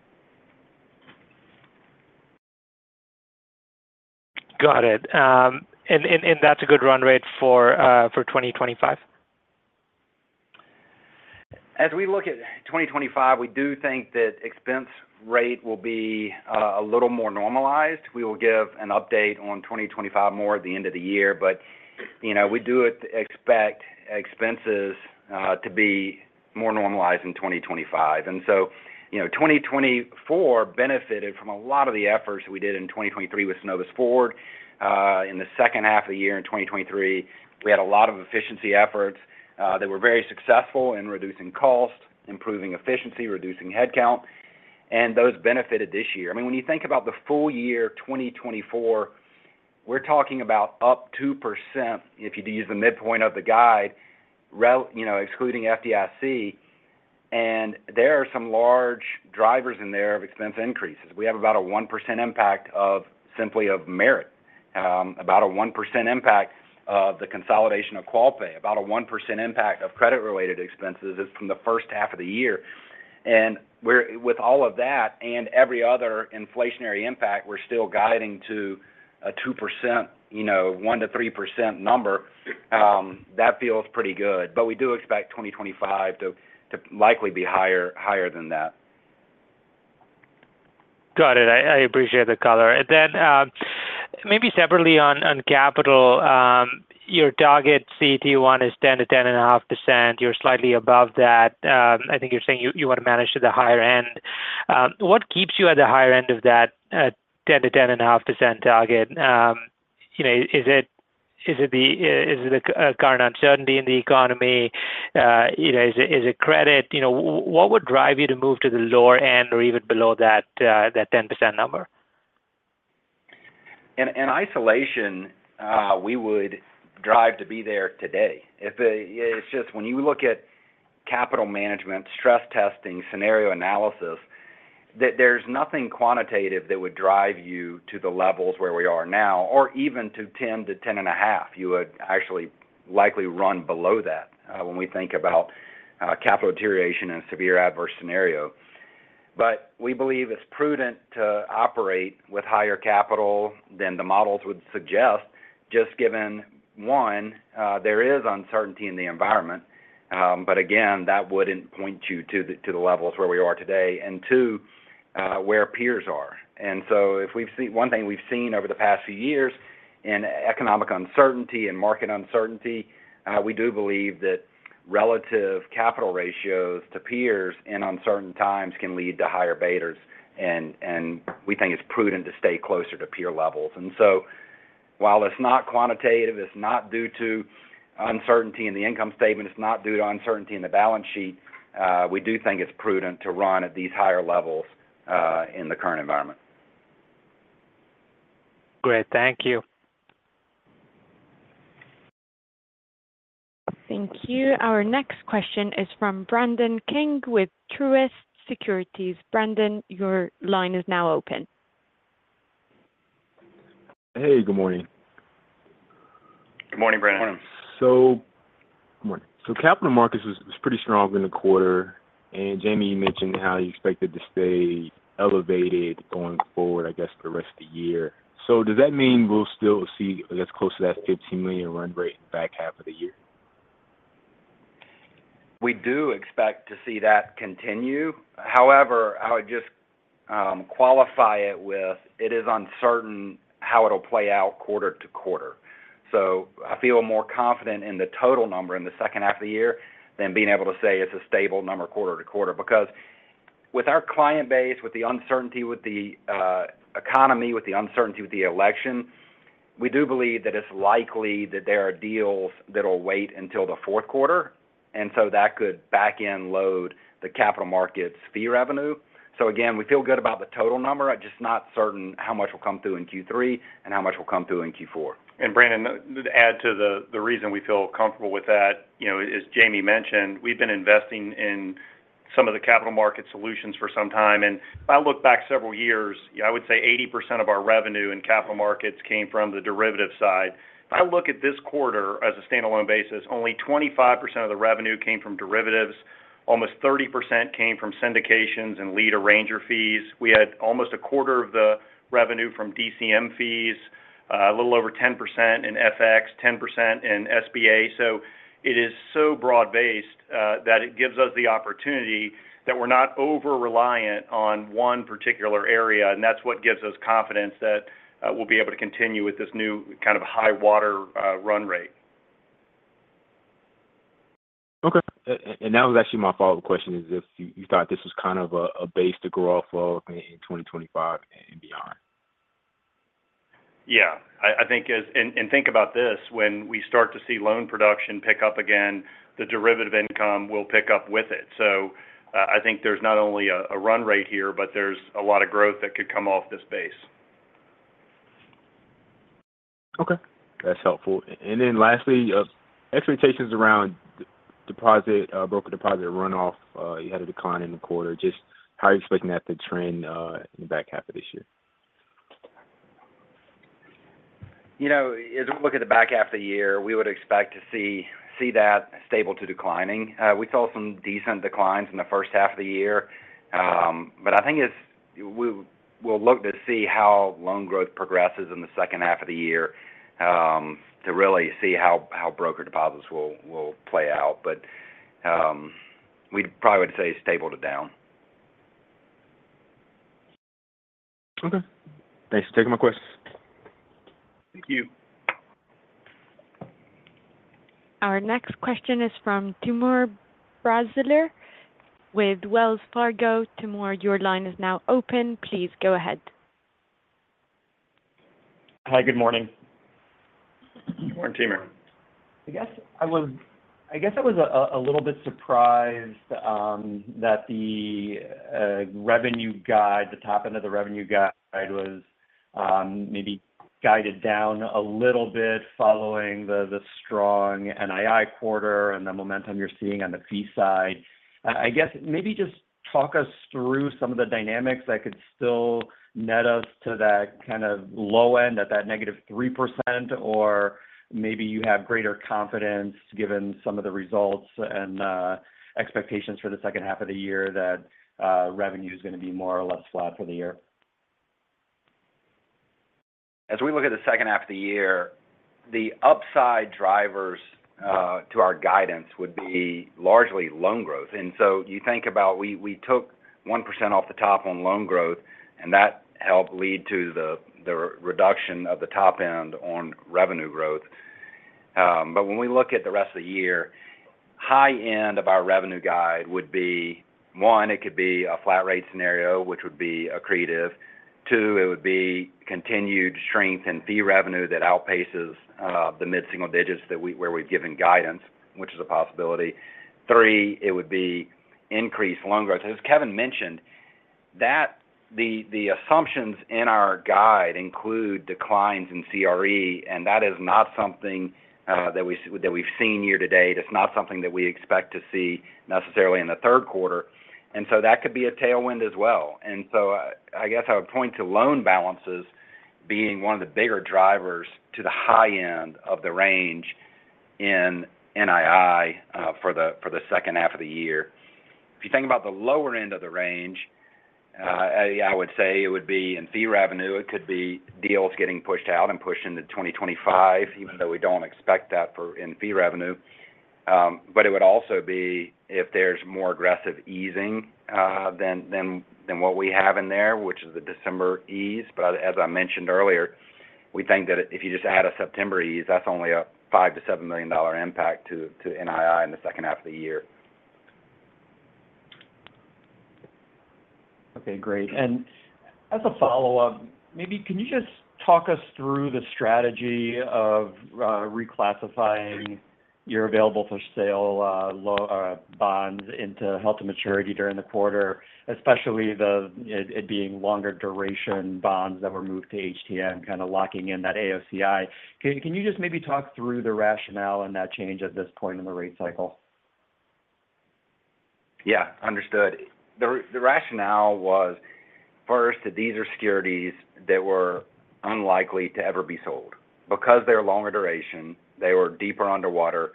Speaker 8: Got it. And that's a good run rate for 2025?
Speaker 4: As we look at 2025, we do think that expense rate will be a little more normalized. We will give an update on 2025 more at the end of the year, but, you know, we do expect expenses to be more normalized in 2025. And so, you know, 2024 benefited from a lot of the efforts we did in 2023 with Synovus Forward. In the second half of the year, in 2023, we had a lot of efficiency efforts that were very successful in reducing costs, improving efficiency, reducing headcount, and those benefited this year. I mean, when you think about the full year, 2024, we're talking about up 2%, if you use the midpoint of the guide, you know, excluding FDIC, and there are some large drivers in there of expense increases. We have about a 1% impact of simply of merit, about a 1% impact of the consolidation of Qualpay, about a 1% impact of credit-related expenses from the first half of the year. With all of that and every other inflationary impact, we're still guiding to a 2%, you know, 1%-3% number. That feels pretty good, but we do expect 2025 to likely be higher than that.
Speaker 8: Got it. I appreciate the color. And then, maybe separately on capital, your target CET1 is 10%-10.5%. You're slightly above that. I think you're saying you want to manage to the higher end. What keeps you at the higher end of that 10%-10.5% target? You know, is it the current uncertainty in the economy? You know, is it credit? What would drive you to move to the lower end or even below that 10% number?
Speaker 4: In isolation, we would drive to be there today. It's just when you look at capital management, stress testing, scenario analysis, that there's nothing quantitative that would drive you to the levels where we are now, or even to 10-10.5. You would actually likely run below that, when we think about capital deterioration in a severe adverse scenario. But we believe it's prudent to operate with higher capital than the models would suggest, just given, one, there is uncertainty in the environment, but again, that wouldn't point you to the levels where we are today, and two, where peers are. And so, one thing we've seen over the past few years in economic uncertainty and market uncertainty, we do believe that relative capital ratios to peers in uncertain times can lead to higher betas, and we think it's prudent to stay closer to peer levels. And so while it's not quantitative, it's not due to uncertainty in the income statement, it's not due to uncertainty in the balance sheet, we do think it's prudent to run at these higher levels in the current environment.
Speaker 8: Great. Thank you.
Speaker 1: Thank you. Our next question is from Brandon King with Truist Securities. Brandon, your line is now open.
Speaker 9: Hey, good morning.
Speaker 4: Good morning, Brandon.
Speaker 9: Good morning. Capital markets was pretty strong in the quarter, and Jamie, you mentioned how you expected to stay elevated going forward, I guess, for the rest of the year. So does that mean we'll still see, I guess, close to that $15 million run rate in the back half of the year?
Speaker 4: We do expect to see that continue. However, I would just qualify it with, it is uncertain how it'll play out quarter to quarter. So I feel more confident in the total number in the second half of the year than being able to say it's a stable number quarter to quarter. Because with our client base, with the uncertainty with the economy, with the uncertainty with the election, we do believe that it's likely that there are deals that will wait until the fourth quarter, and so that could back-end load the capital markets fee revenue. So again, we feel good about the total number. I'm just not certain how much will come through in Q3 and how much will come through in Q4.
Speaker 3: Brandon, to add to the reason we feel comfortable with that, you know, as Jamie mentioned, we've been investing in some of the capital market solutions for some time. And if I look back several years, I would say 80% of our revenue and capital markets came from the derivative side. If I look at this quarter as a standalone basis, only 25% of the revenue came from derivatives, almost 30% came from syndications and lead arranger fees. We had almost a quarter of the revenue from DCM fees, a little over 10% in FX, 10% in SBA. So it is so broad-based that it gives us the opportunity that we're not over-reliant on one particular area, and that's what gives us confidence that we'll be able to continue with this new kind of high water run rate.
Speaker 9: Okay. And that was actually my follow-up question, is if you thought this was kind of a base to grow off of in 2025 and beyond?
Speaker 3: Yeah. I think as we think about this, when we start to see loan production pick up again, the derivative income will pick up with it. So, I think there's not only a run rate here, but there's a lot of growth that could come off this base.
Speaker 9: Okay. That's helpful. And then lastly, expectations around deposit, broker deposit runoff. You had a decline in the quarter. Just how are you expecting that to trend, in the back half of this year?...
Speaker 4: You know, as we look at the back half of the year, we would expect to see that stable to declining. We saw some decent declines in the first half of the year. But I think we'll look to see how loan growth progresses in the second half of the year, to really see how brokered deposits will play out. But we'd probably say stable to down.
Speaker 9: Okay. Thanks for taking my question.
Speaker 1: Our next question is from Timur Braziler with Wells Fargo. Timur, your line is now open. Please go ahead.
Speaker 10: Hi, good morning.
Speaker 4: Good morning, Timur.
Speaker 10: I guess I was a little bit surprised that the revenue guide, the top end of the revenue guide was maybe guided down a little bit following the strong NII quarter and the momentum you're seeing on the fee side. I guess maybe just talk us through some of the dynamics that could still net us to that kind of low end at that -3%, or maybe you have greater confidence, given some of the results and expectations for the second half of the year, that revenue is going to be more or less flat for the year.
Speaker 4: As we look at the second half of the year, the upside drivers to our guidance would be largely loan growth. And so you think about we took 1% off the top on loan growth, and that helped lead to the reduction of the top end on revenue growth. But when we look at the rest of the year, high end of our revenue guide would be, one, it could be a flat rate scenario, which would be accretive. Two, it would be continued strength in fee revenue that outpaces the mid-single digits where we've given guidance, which is a possibility. Three, it would be increased loan growth. As Kevin mentioned, the assumptions in our guide include declines in CRE, and that is not something that we've seen year to date. It's not something that we expect to see necessarily in the third quarter, and so that could be a tailwind as well. And so I guess I would point to loan balances being one of the bigger drivers to the high end of the range in NII for the second half of the year. If you think about the lower end of the range, I would say it would be in fee revenue. It could be deals getting pushed out and pushed into 2025, even though we don't expect that for in fee revenue. But it would also be if there's more aggressive easing than what we have in there, which is the December ease. But as I mentioned earlier, we think that if you just add a September ease, that's only a $5 million-$7 million impact to NII in the second half of the year.
Speaker 10: Okay, great. And as a follow-up, maybe can you just talk us through the strategy of reclassifying your available for sale bonds into held to maturity during the quarter, especially it being longer duration bonds that were moved to HTM, kind of locking in that AOCI. Can you just maybe talk through the rationale on that change at this point in the rate cycle?
Speaker 4: Yeah, understood. The rationale was, first, that these are securities that were unlikely to ever be sold. Because they're longer duration, they were deeper underwater,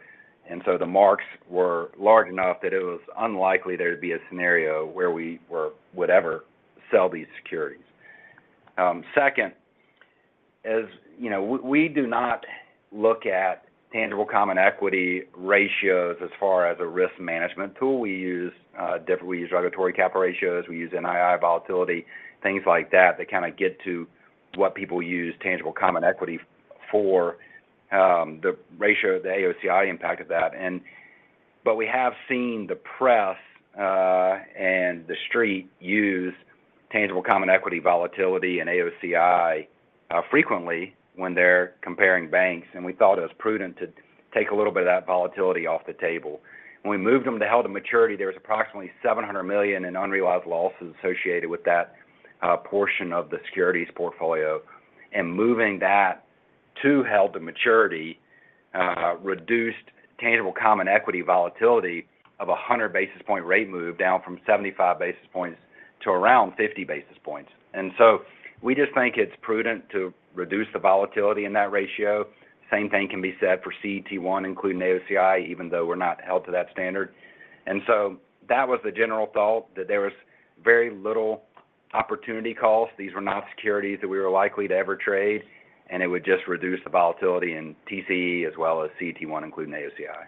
Speaker 4: and so the marks were large enough that it was unlikely there'd be a scenario where we would ever sell these securities. Second, as you know, we do not look at tangible common equity ratios as far as a risk management tool. We use different, we use regulatory capital ratios, we use NII volatility, things like that, that kind of get to what people use tangible common equity for, the ratio, the AOCI impact of that. But we have seen the press and the street use tangible common equity volatility and AOCI frequently when they're comparing banks, and we thought it was prudent to take a little bit of that volatility off the table. When we moved them to held to maturity, there was approximately $700 million in unrealized losses associated with that portion of the securities portfolio. Moving that to held to maturity reduced tangible common equity volatility of a 100 basis point rate move, down from 75 basis points to around 50 basis points. So we just think it's prudent to reduce the volatility in that ratio. Same thing can be said for CET1, including AOCI, even though we're not held to that standard. That was the general thought, that there was very little opportunity costs. These were not securities that we were likely to ever trade, and it would just reduce the volatility in TCE as well as CET1, including AOCI.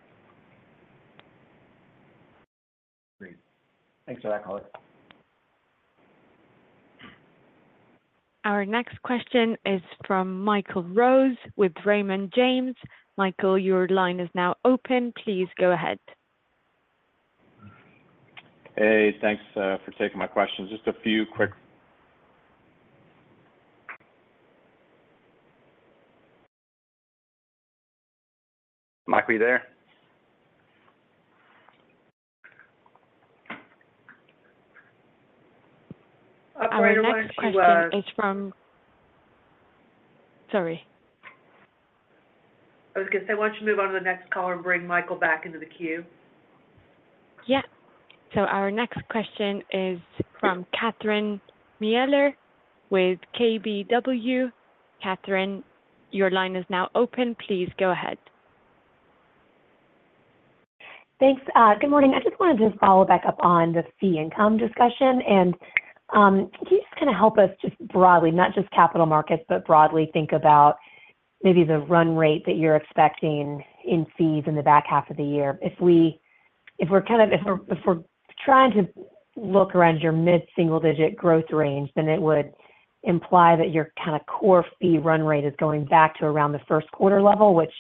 Speaker 10: Great. Thanks for that color.
Speaker 1: Our next question is from Michael Rose with Raymond James. Michael, your line is now open. Please go ahead.
Speaker 11: Hey, thanks, for taking my question. Just a few quick-
Speaker 4: Mike, are you there?
Speaker 1: Our next question is from... Sorry....
Speaker 2: I was going to say, why don't you move on to the next caller and bring Michael back into the queue?
Speaker 1: Yeah. So our next question is from Catherine Mealor with KBW. Catherine, your line is now open. Please go ahead.
Speaker 12: Thanks. Good morning. I just wanted to follow back up on the fee income discussion, and can you just kind of help us just broadly, not just capital markets, but broadly think about maybe the run rate that you're expecting in fees in the back half of the year? If we're trying to look around your mid-single-digit growth range, then it would imply that your kind of core fee run rate is going back to around the first quarter level, which,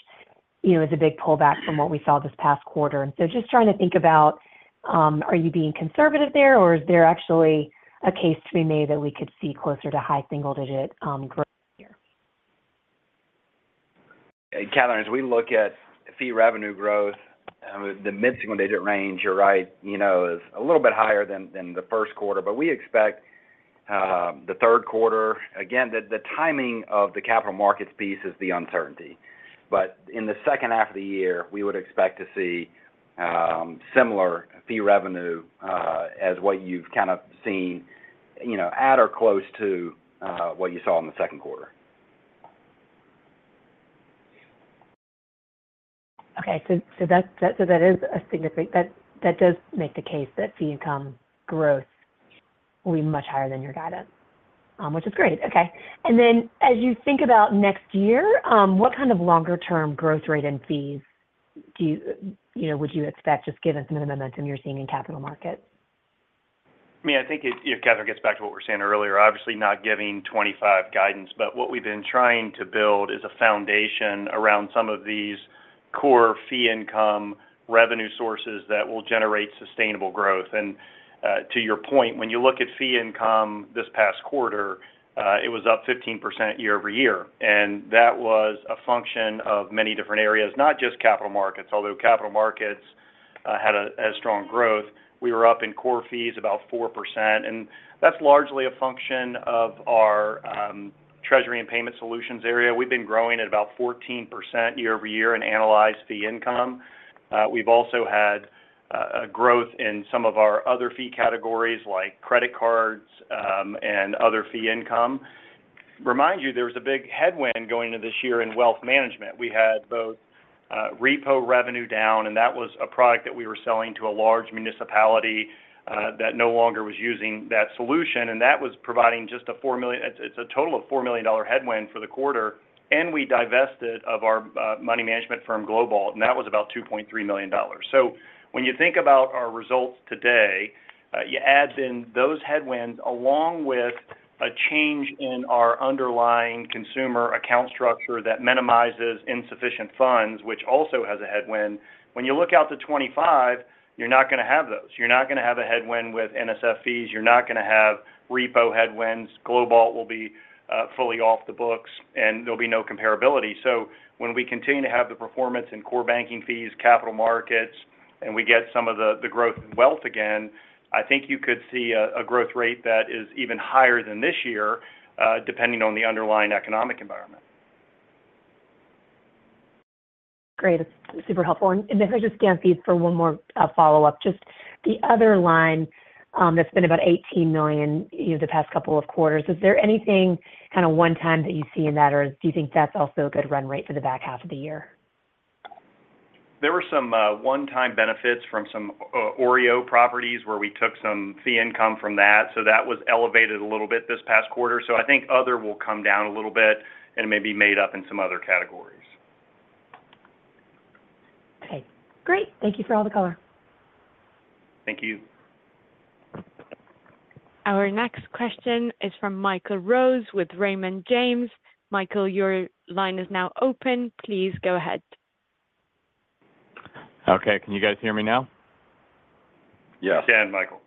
Speaker 12: you know, is a big pullback from what we saw this past quarter. And so just trying to think about, are you being conservative there, or is there actually a case to be made that we could see closer to high single-digit growth here?
Speaker 4: Hey, Catherine, as we look at fee revenue growth, the mid-single-digit range, you're right, you know, is a little bit higher than the first quarter. But we expect the third quarter. Again, the timing of the capital markets piece is the uncertainty. But in the second half of the year, we would expect to see similar fee revenue as what you've kind of seen, you know, at or close to what you saw in the second quarter.
Speaker 12: Okay. So that is a significant—that does make the case that fee income growth will be much higher than your guidance, which is great. Okay. And then, as you think about next year, what kind of longer-term growth rate in fees do you, you know, would you expect, just given some of the momentum you're seeing in capital markets?
Speaker 3: I mean, I think it you know, Catherine, gets back to what we were saying earlier, obviously not giving 25 guidance, but what we've been trying to build is a foundation around some of these core fee income revenue sources that will generate sustainable growth. And to your point, when you look at fee income this past quarter, it was up 15% year-over-year, and that was a function of many different areas, not just capital markets, although capital markets had a strong growth. We were up in core fees about 4%, and that's largely a function of our Treasury and Payment Solutions area. We've been growing at about 14% year-over-year in analyzed fee income. We've also had a growth in some of our other fee categories, like credit cards, and other fee income. Remind you, there was a big headwind going into this year in wealth management. We had both repo revenue down, and that was a product that we were selling to a large municipality that no longer was using that solution, and that was providing just a $4 million. It's a total of $4 million dollar headwind for the quarter. And we divested of our money management firm, GLOBALT, and that was about $2.3 million. So when you think about our results today, you add in those headwinds, along with a change in our underlying consumer account structure that minimizes insufficient funds, which also has a headwind. When you look out to 2025, you're not going to have those. You're not going to have a headwind with NSF fees. You're not going to have repo headwinds. GLOBALT will be fully off the books, and there'll be no comparability. So when we continue to have the performance in core banking fees, capital markets, and we get some of the, the growth in wealth again, I think you could see a, a growth rate that is even higher than this year, depending on the underlying economic environment.
Speaker 12: Great. It's super helpful. And if I just squeeze in for one more, follow-up, just the other line, that's been about $18 million, in the past couple of quarters. Is there anything kind of one-time that you see in that, or do you think that's also a good run rate for the back half of the year?
Speaker 3: There were some one-time benefits from some OREO properties where we took some fee income from that, so that was elevated a little bit this past quarter. I think other will come down a little bit and may be made up in some other categories.
Speaker 12: Okay, great. Thank you for all the color.
Speaker 3: Thank you.
Speaker 1: Our next question is from Michael Rose with Raymond James. Michael, your line is now open. Please go ahead.
Speaker 11: Okay. Can you guys hear me now?
Speaker 4: Yes.
Speaker 3: Yeah, Michael.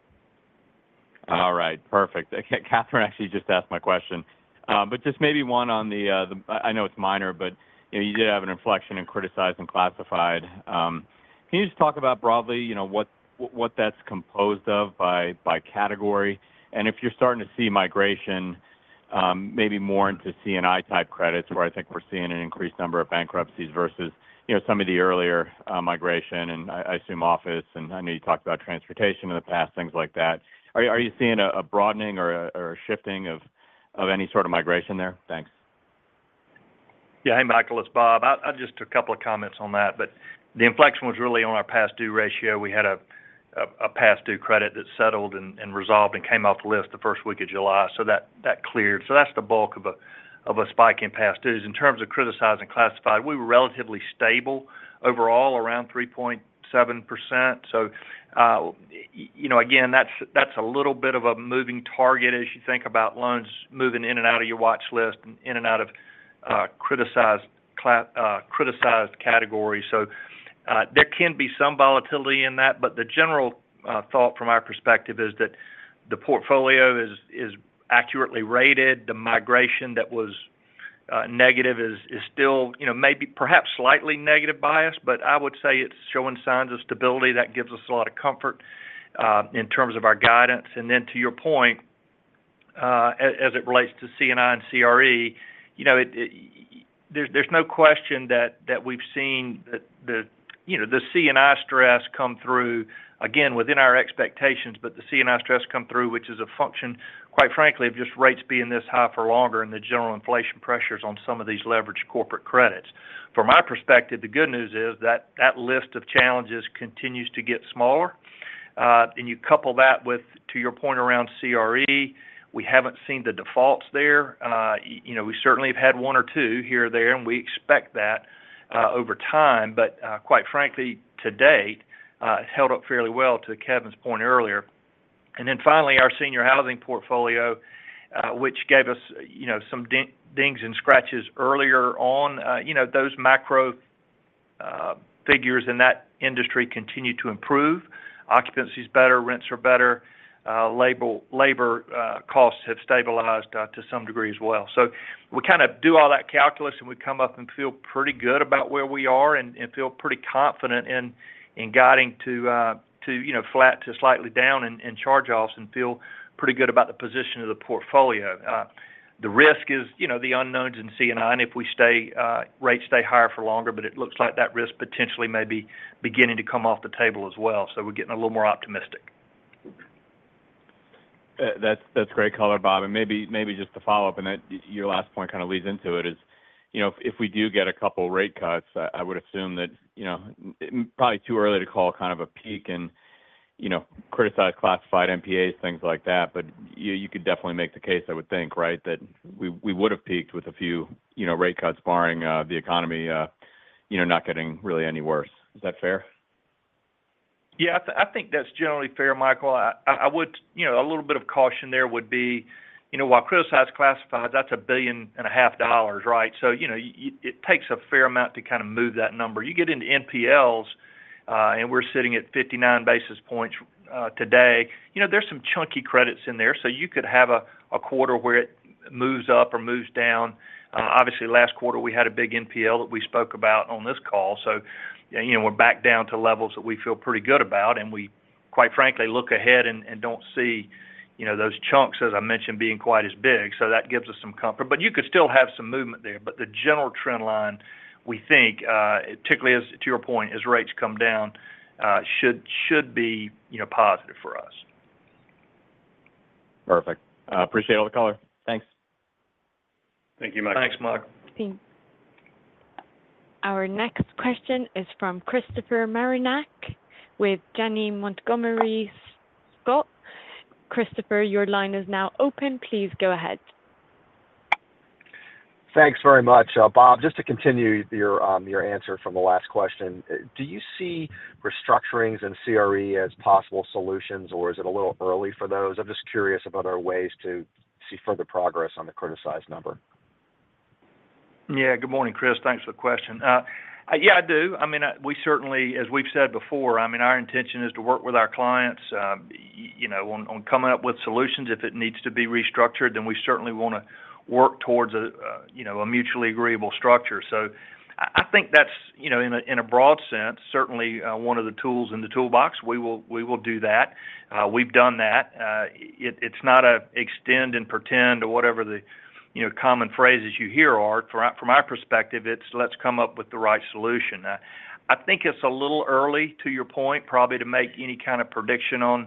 Speaker 11: All right, perfect. Okay, Catherine actually just asked my question. But just maybe one on the—I know it's minor, but you did have an inflection in criticized classified. Can you just talk about broadly, you know, what that's composed of by category? And if you're starting to see migration, maybe more into C&I type credits, where I think we're seeing an increased number of bankruptcies versus, you know, some of the earlier migration, and I assume office, and I know you talked about transportation in the past, things like that. Are you seeing a broadening or a shifting of any sort of migration there? Thanks.
Speaker 13: Yeah. Hey, Michael, it's Bob. I just a couple of comments on that, but the inflection was really on our past due ratio. We had a past due credit that settled and resolved and came off the list the first week of July. So that cleared. So that's the bulk of a spike in past dues. In terms of criticized classified, we were relatively stable overall, around 3.7%. You know, again, that's a little bit of a moving target as you think about loans moving in and out of your watch list and in and out of criticized categories. So there can be some volatility in that, but the general thought from our perspective is that the portfolio is accurately rated. The migration that was negative is still, you know, maybe perhaps slightly negative biased, but I would say it's showing signs of stability. That gives us a lot of comfort in terms of our guidance. And then to your point—as it relates to C&I and CRE, you know, there's no question that we've seen you know the C&I stress come through, again, within our expectations, but the C&I stress come through, which is a function, quite frankly, of just rates being this high for longer and the general inflation pressures on some of these leveraged corporate credits. From my perspective, the good news is that list of challenges continues to get smaller. And you couple that with, to your point around CRE, we haven't seen the defaults there. You know, we certainly have had one or two here or there, and we expect that over time. But, quite frankly, to date, it's held up fairly well to Kevin's point earlier. And then finally, our Senior Housing portfolio, which gave us, you know, some dings and scratches earlier on, you know, those macro figures in that industry continue to improve. Occupancy is better, rents are better, labor costs have stabilized to some degree as well. So we kind of do all that calculus, and we come up and feel pretty good about where we are and feel pretty confident in guiding to, you know, flat to slightly down in charge-offs and feel pretty good about the position of the portfolio. The risk is, you know, the unknowns in C&I, if we stay, rates stay higher for longer, but it looks like that risk potentially may be beginning to come off the table as well, so we're getting a little more optimistic.
Speaker 11: That's great color, Bob. And maybe just to follow up, and then your last point kind of leads into it. You know, if we do get a couple rate cuts, I would assume that, you know, probably too early to call kind of a peak in classified NPAs, things like that, but you could definitely make the case, I would think, right? That we would have peaked with a few, you know, rate cuts barring the economy, you know, not getting really any worse. Is that fair?
Speaker 13: Yeah, I think that's generally fair, Michael. I would—you know, a little bit of caution there would be, you know, while criticized, classified, that's $1.5 billion, right? So, you know, it takes a fair amount to kind of move that number. You get into NPLs, and we're sitting at 59 basis points today. You know, there's some chunky credits in there, so you could have a quarter where it moves up or moves down. Obviously, last quarter, we had a big NPL that we spoke about on this call. So, you know, we're back down to levels that we feel pretty good about, and we, quite frankly, look ahead and don't see, you know, those chunks, as I mentioned, being quite as big. So that gives us some comfort. But you could still have some movement there. But the general trend line, we think, particularly as to your point, as rates come down, should be, you know, positive for us.
Speaker 11: Perfect. I appreciate all the color. Thanks.
Speaker 13: Thank you, Michael.
Speaker 1: Our next question is from Christopher Marinac with Janney Montgomery Scott. Christopher, your line is now open. Please go ahead.
Speaker 14: Thanks very much. Bob, just to continue your answer from the last question. Do you see restructurings and CRE as possible solutions, or is it a little early for those? I'm just curious about other ways to see further progress on the criticized number.
Speaker 13: Yeah. Good morning, Chris. Thanks for the question. Yeah, I do. I mean, we certainly, as we've said before, I mean, our intention is to work with our clients, you know, on coming up with solutions. If it needs to be restructured, then we certainly want to work towards a, you know, a mutually agreeable structure. So I think that's, you know, in a broad sense, certainly, one of the tools in the toolbox. We will do that. We've done that. It's not an extend and pretend or whatever the, you know, common phrases you hear are. From my perspective, it's let's come up with the right solution. I think it's a little early, to your point, probably to make any kind of prediction on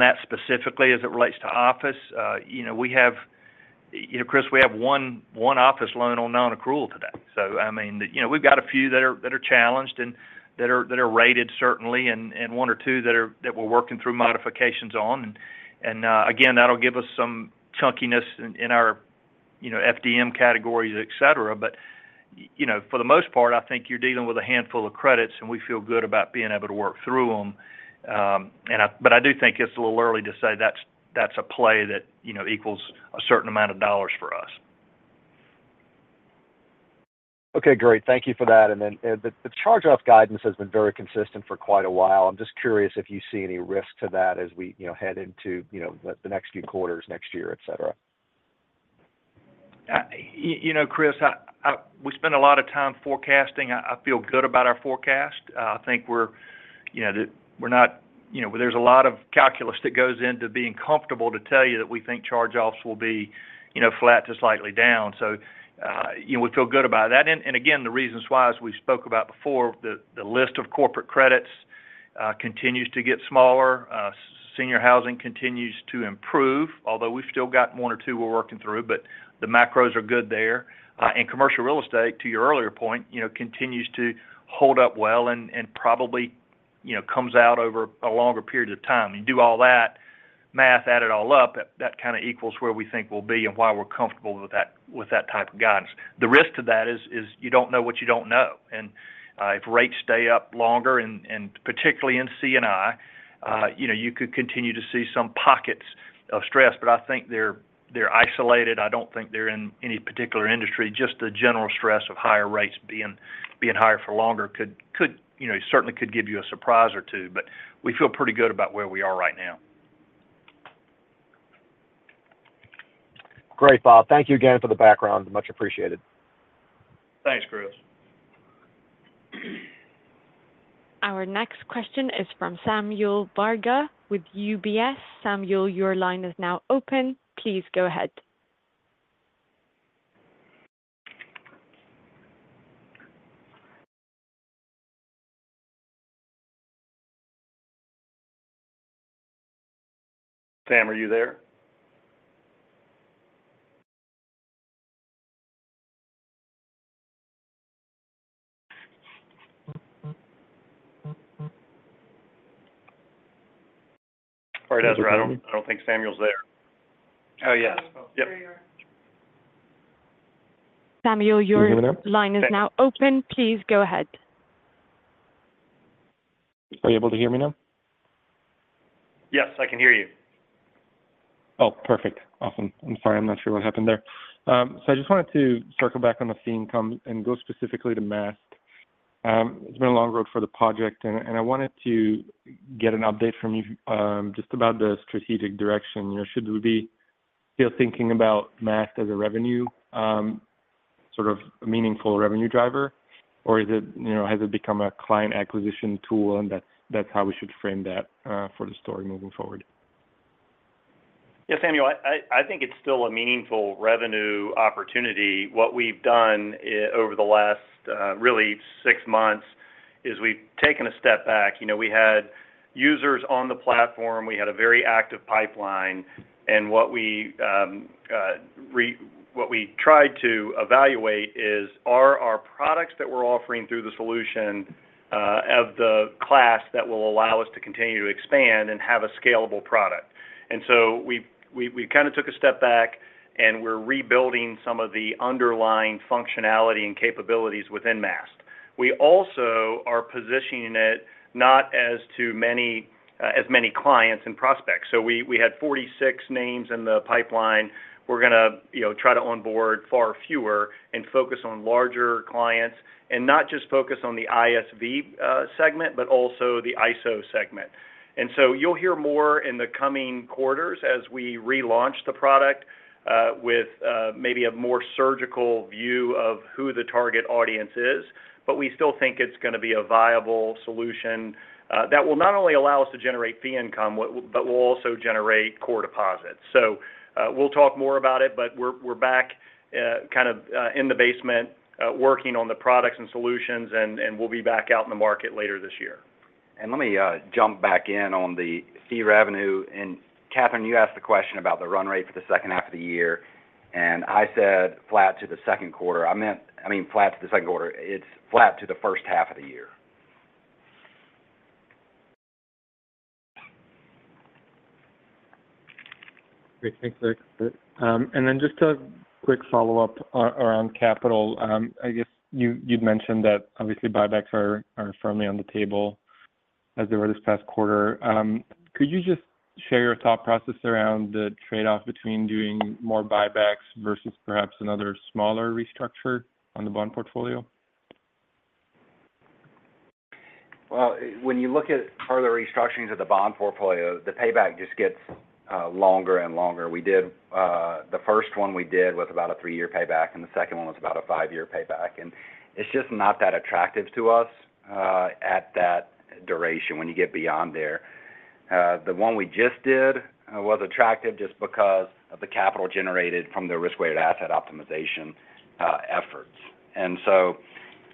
Speaker 13: that specifically as it relates to office. You know, Chris, we have one office loan on nonaccrual today. So I mean, you know, we've got a few that are challenged and that are rated, certainly, and one or two that we're working through modifications on. And again, that'll give us some chunkiness in our NPAs categories, et cetera. But you know, for the most part, I think you're dealing with a handful of credits, and we feel good about being able to work through them. But I do think it's a little early to say that's a play that equals a certain amount of dollars for us.
Speaker 14: Okay, great. Thank you for that. And then, the charge-off guidance has been very consistent for quite a while. I'm just curious if you see any risk to that as we, you know, head into, you know, the next few quarters, next year, et cetera?
Speaker 13: You know, Chris, we spend a lot of time forecasting. I feel good about our forecast. I think we're, you know, we're not, you know, there's a lot of calculus that goes into being comfortable to tell you that we think charge-offs will be, you know, flat to slightly down. So, you know, we feel good about that. And again, the reasons why, as we spoke about before, the list of corporate credits continues to get smaller. Senior Housing continues to improve, although we've still got one or two we're working through, but the macros are good there. And commercial real estate, to your earlier point, you know, continues to hold up well and probably, you know, comes out over a longer period of time. You do all that math, add it all up, that kind of equals where we think we'll be and why we're comfortable with that, with that type of guidance. The risk to that is you don't know what you don't know. If rates stay up longer, and particularly in C&I, you know, you could continue to see some pockets of stress, but I think they're isolated. I don't think they're in any particular industry, just the general stress of higher rates being higher for longer could, you know, certainly could give you a surprise or two, but we feel pretty good about where we are right now.
Speaker 14: Great, Bob. Thank you again for the background. Much appreciated.
Speaker 13: Thanks, Chris.
Speaker 1: Our next question is from Samuel Varga with UBS. Samuel, your line is now open. Please go ahead.
Speaker 3: Sam, are you there? All right, Ezra, I don't, I don't think Samuel's there.
Speaker 1: Samuel, your line is now open. Please go ahead.
Speaker 15: Are you able to hear me now?
Speaker 3: Yes, I can hear you.
Speaker 15: Oh, perfect. Awesome. I'm sorry, I'm not sure what happened there. So I just wanted to circle back on the fee income and go specifically to Maast. It's been a long road for the project, and, and I wanted to get an update from you, just about the strategic direction. You know, should we be still thinking about Maast as a revenue, sort of meaningful revenue driver? Or is it, you know, has it become a client acquisition tool, and that's, that's how we should frame that, for the story moving foward?
Speaker 3: Yeah, Samuel, I think it's still a meaningful revenue opportunity. What we've done over the last really 6 months is we've taken a step back. You know, we had users on the platform. We had a very active pipeline, and what we tried to evaluate is, are our products that we're offering through the solution of the class that will allow us to continue to expand and have a scalable product? And so we kind of took a step back, and we're rebuilding some of the underlying functionality and capabilities within Maast. We also are positioning it not as to many as many clients and prospects. So we had 46 names in the pipeline. We're gonna, you know, try to onboard far fewer and focus on larger clients, and not just focus on the ISV segment, but also the ISO segment. And so you'll hear more in the coming quarters as we relaunch the product with maybe a more surgical view of who the target audience is, but we still think it's gonna be a viable solution that will not only allow us to generate fee income, but will also generate core deposits. So we'll talk more about it, but we're back kind of in the basement working on the products and solutions, and we'll be back out in the market later this year.
Speaker 4: Let me jump back in on the fee revenue. Catherine, you asked the question about the run rate for the second half of the year, and I said flat to the second quarter. I meant. I mean, flat to the second quarter. It's flat to the first half of the year.
Speaker 15: Great. Thanks, Rick. And then just a quick follow-up around capital. I guess you, you'd mentioned that obviously buybacks are, are firmly on the table as they were this past quarter. Could you just share your thought process around the trade-off between doing more buybacks versus perhaps another smaller restructure on the bond portfolio?
Speaker 4: Well, when you look at further restructurings of the bond portfolio, the payback just gets longer and longer. We did the first one we did was about a 3-year payback, and the second one was about a 5-year payback. And it's just not that attractive to us at that duration when you get beyond there. The one we just did was attractive just because of the capital generated from the risk-weighted asset optimization efforts. And so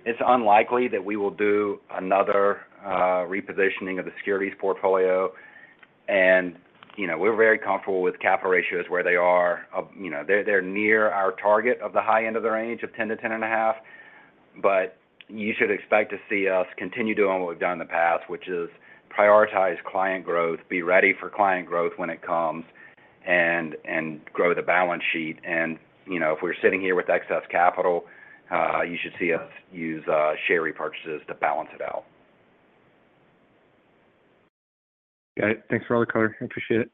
Speaker 4: it's unlikely that we will do another repositioning of the securities portfolio. And, you know, we're very comfortable with capital ratios where they are. You know, they're near our target of the high end of the range of 10-10.5, but you should expect to see us continue doing what we've done in the past, which is prioritize client growth, be ready for client growth when it comes, and grow the balance sheet. You know, if we're sitting here with excess capital, you should see us use share repurchases to balance it out.
Speaker 15: Got it. Thanks for all the color. I appreciate it.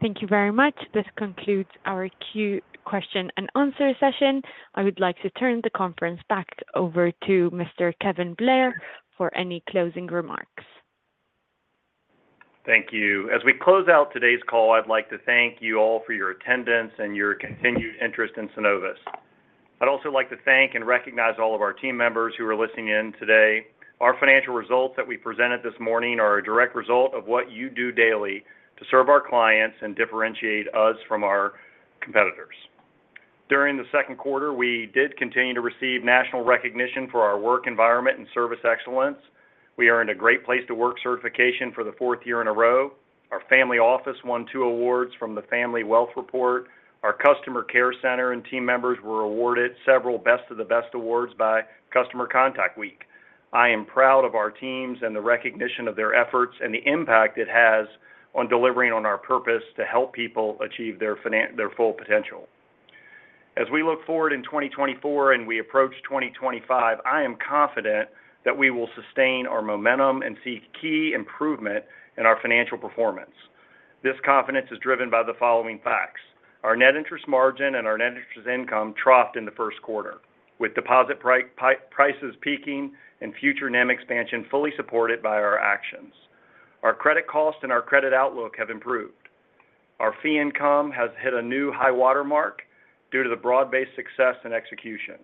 Speaker 1: Thank you very much. This concludes our question and answer session. I would like to turn the conference back over to Mr. Kevin Blair for any closing remarks.
Speaker 3: Thank you. As we close out today's call, I'd like to thank you all for your attendance and your continued interest in Synovus. I'd also like to thank and recognize all of our team members who are listening in today. Our financial results that we presented this morning are a direct result of what you do daily to serve our clients and differentiate us from our competitors. During the second quarter, we did continue to receive national recognition for our work environment and service excellence. We earned a Great Place to Work certification for the fourth year in a row. Our family office won two awards from the Family Wealth Report. Our customer care center and team members were awarded several Best of the Best awards by Customer Contact Week. I am proud of our teams and the recognition of their efforts and the impact it has on delivering on our purpose to help people achieve their full potential. As we look forward in 2024 and we approach 2025, I am confident that we will sustain our momentum and see key improvement in our financial performance. This confidence is driven by the following facts: Our net interest margin and our net interest income troughed in the first quarter, with deposit prices peaking and future NIM expansion fully supported by our actions. Our credit costs and our credit outlook have improved. Our fee income has hit a new high-water mark due to the broad-based success and execution.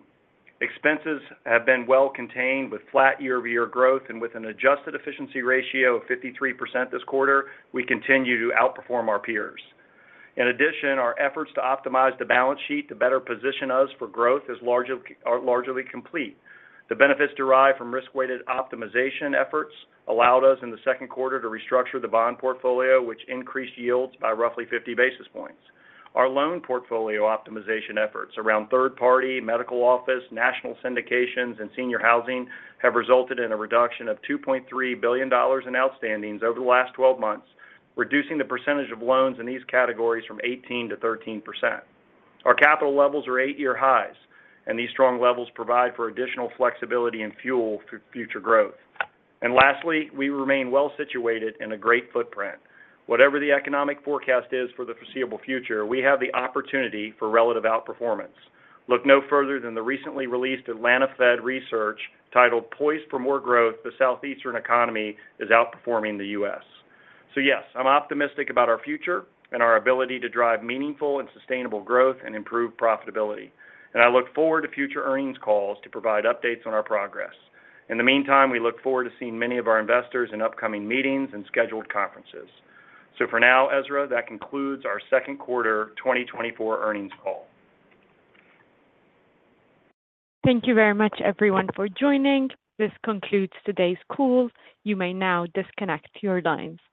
Speaker 3: Expenses have been well contained with flat year-over-year growth, and with an adjusted efficiency ratio of 53% this quarter, we continue to outperform our peers. In addition, our efforts to optimize the balance sheet to better position us for growth are largely complete. The benefits derived from risk-weighted optimization efforts allowed us in the second quarter to restructure the bond portfolio, which increased yields by roughly 50 basis points. Our loan portfolio optimization efforts around third-party medical office, national syndications, and senior housing have resulted in a reduction of $2.3 billion in outstandings over the last 12 months, reducing the percentage of loans in these categories from 18% to 13%. Our capital levels are 8-year highs, and these strong levels provide for additional flexibility and fuel for future growth. And lastly, we remain well situated in a great footprint. Whatever the economic forecast is for the foreseeable future, we have the opportunity for relative outperformance. Look no further than the recently released Atlanta Fed research titled, "Poised for More Growth, The Southeastern Economy is Outperforming the U.S." So yes, I'm optimistic about our future and our ability to drive meaningful and sustainable growth and improve profitability, and I look forward to future earnings calls to provide updates on our progress. In the meantime, we look forward to seeing many of our investors in upcoming meetings and scheduled conferences. So for now, Ezra, that concludes our second quarter 2024 earnings call.
Speaker 1: Thank you very much, everyone, for joining. This concludes today's call. You may now disconnect your lines.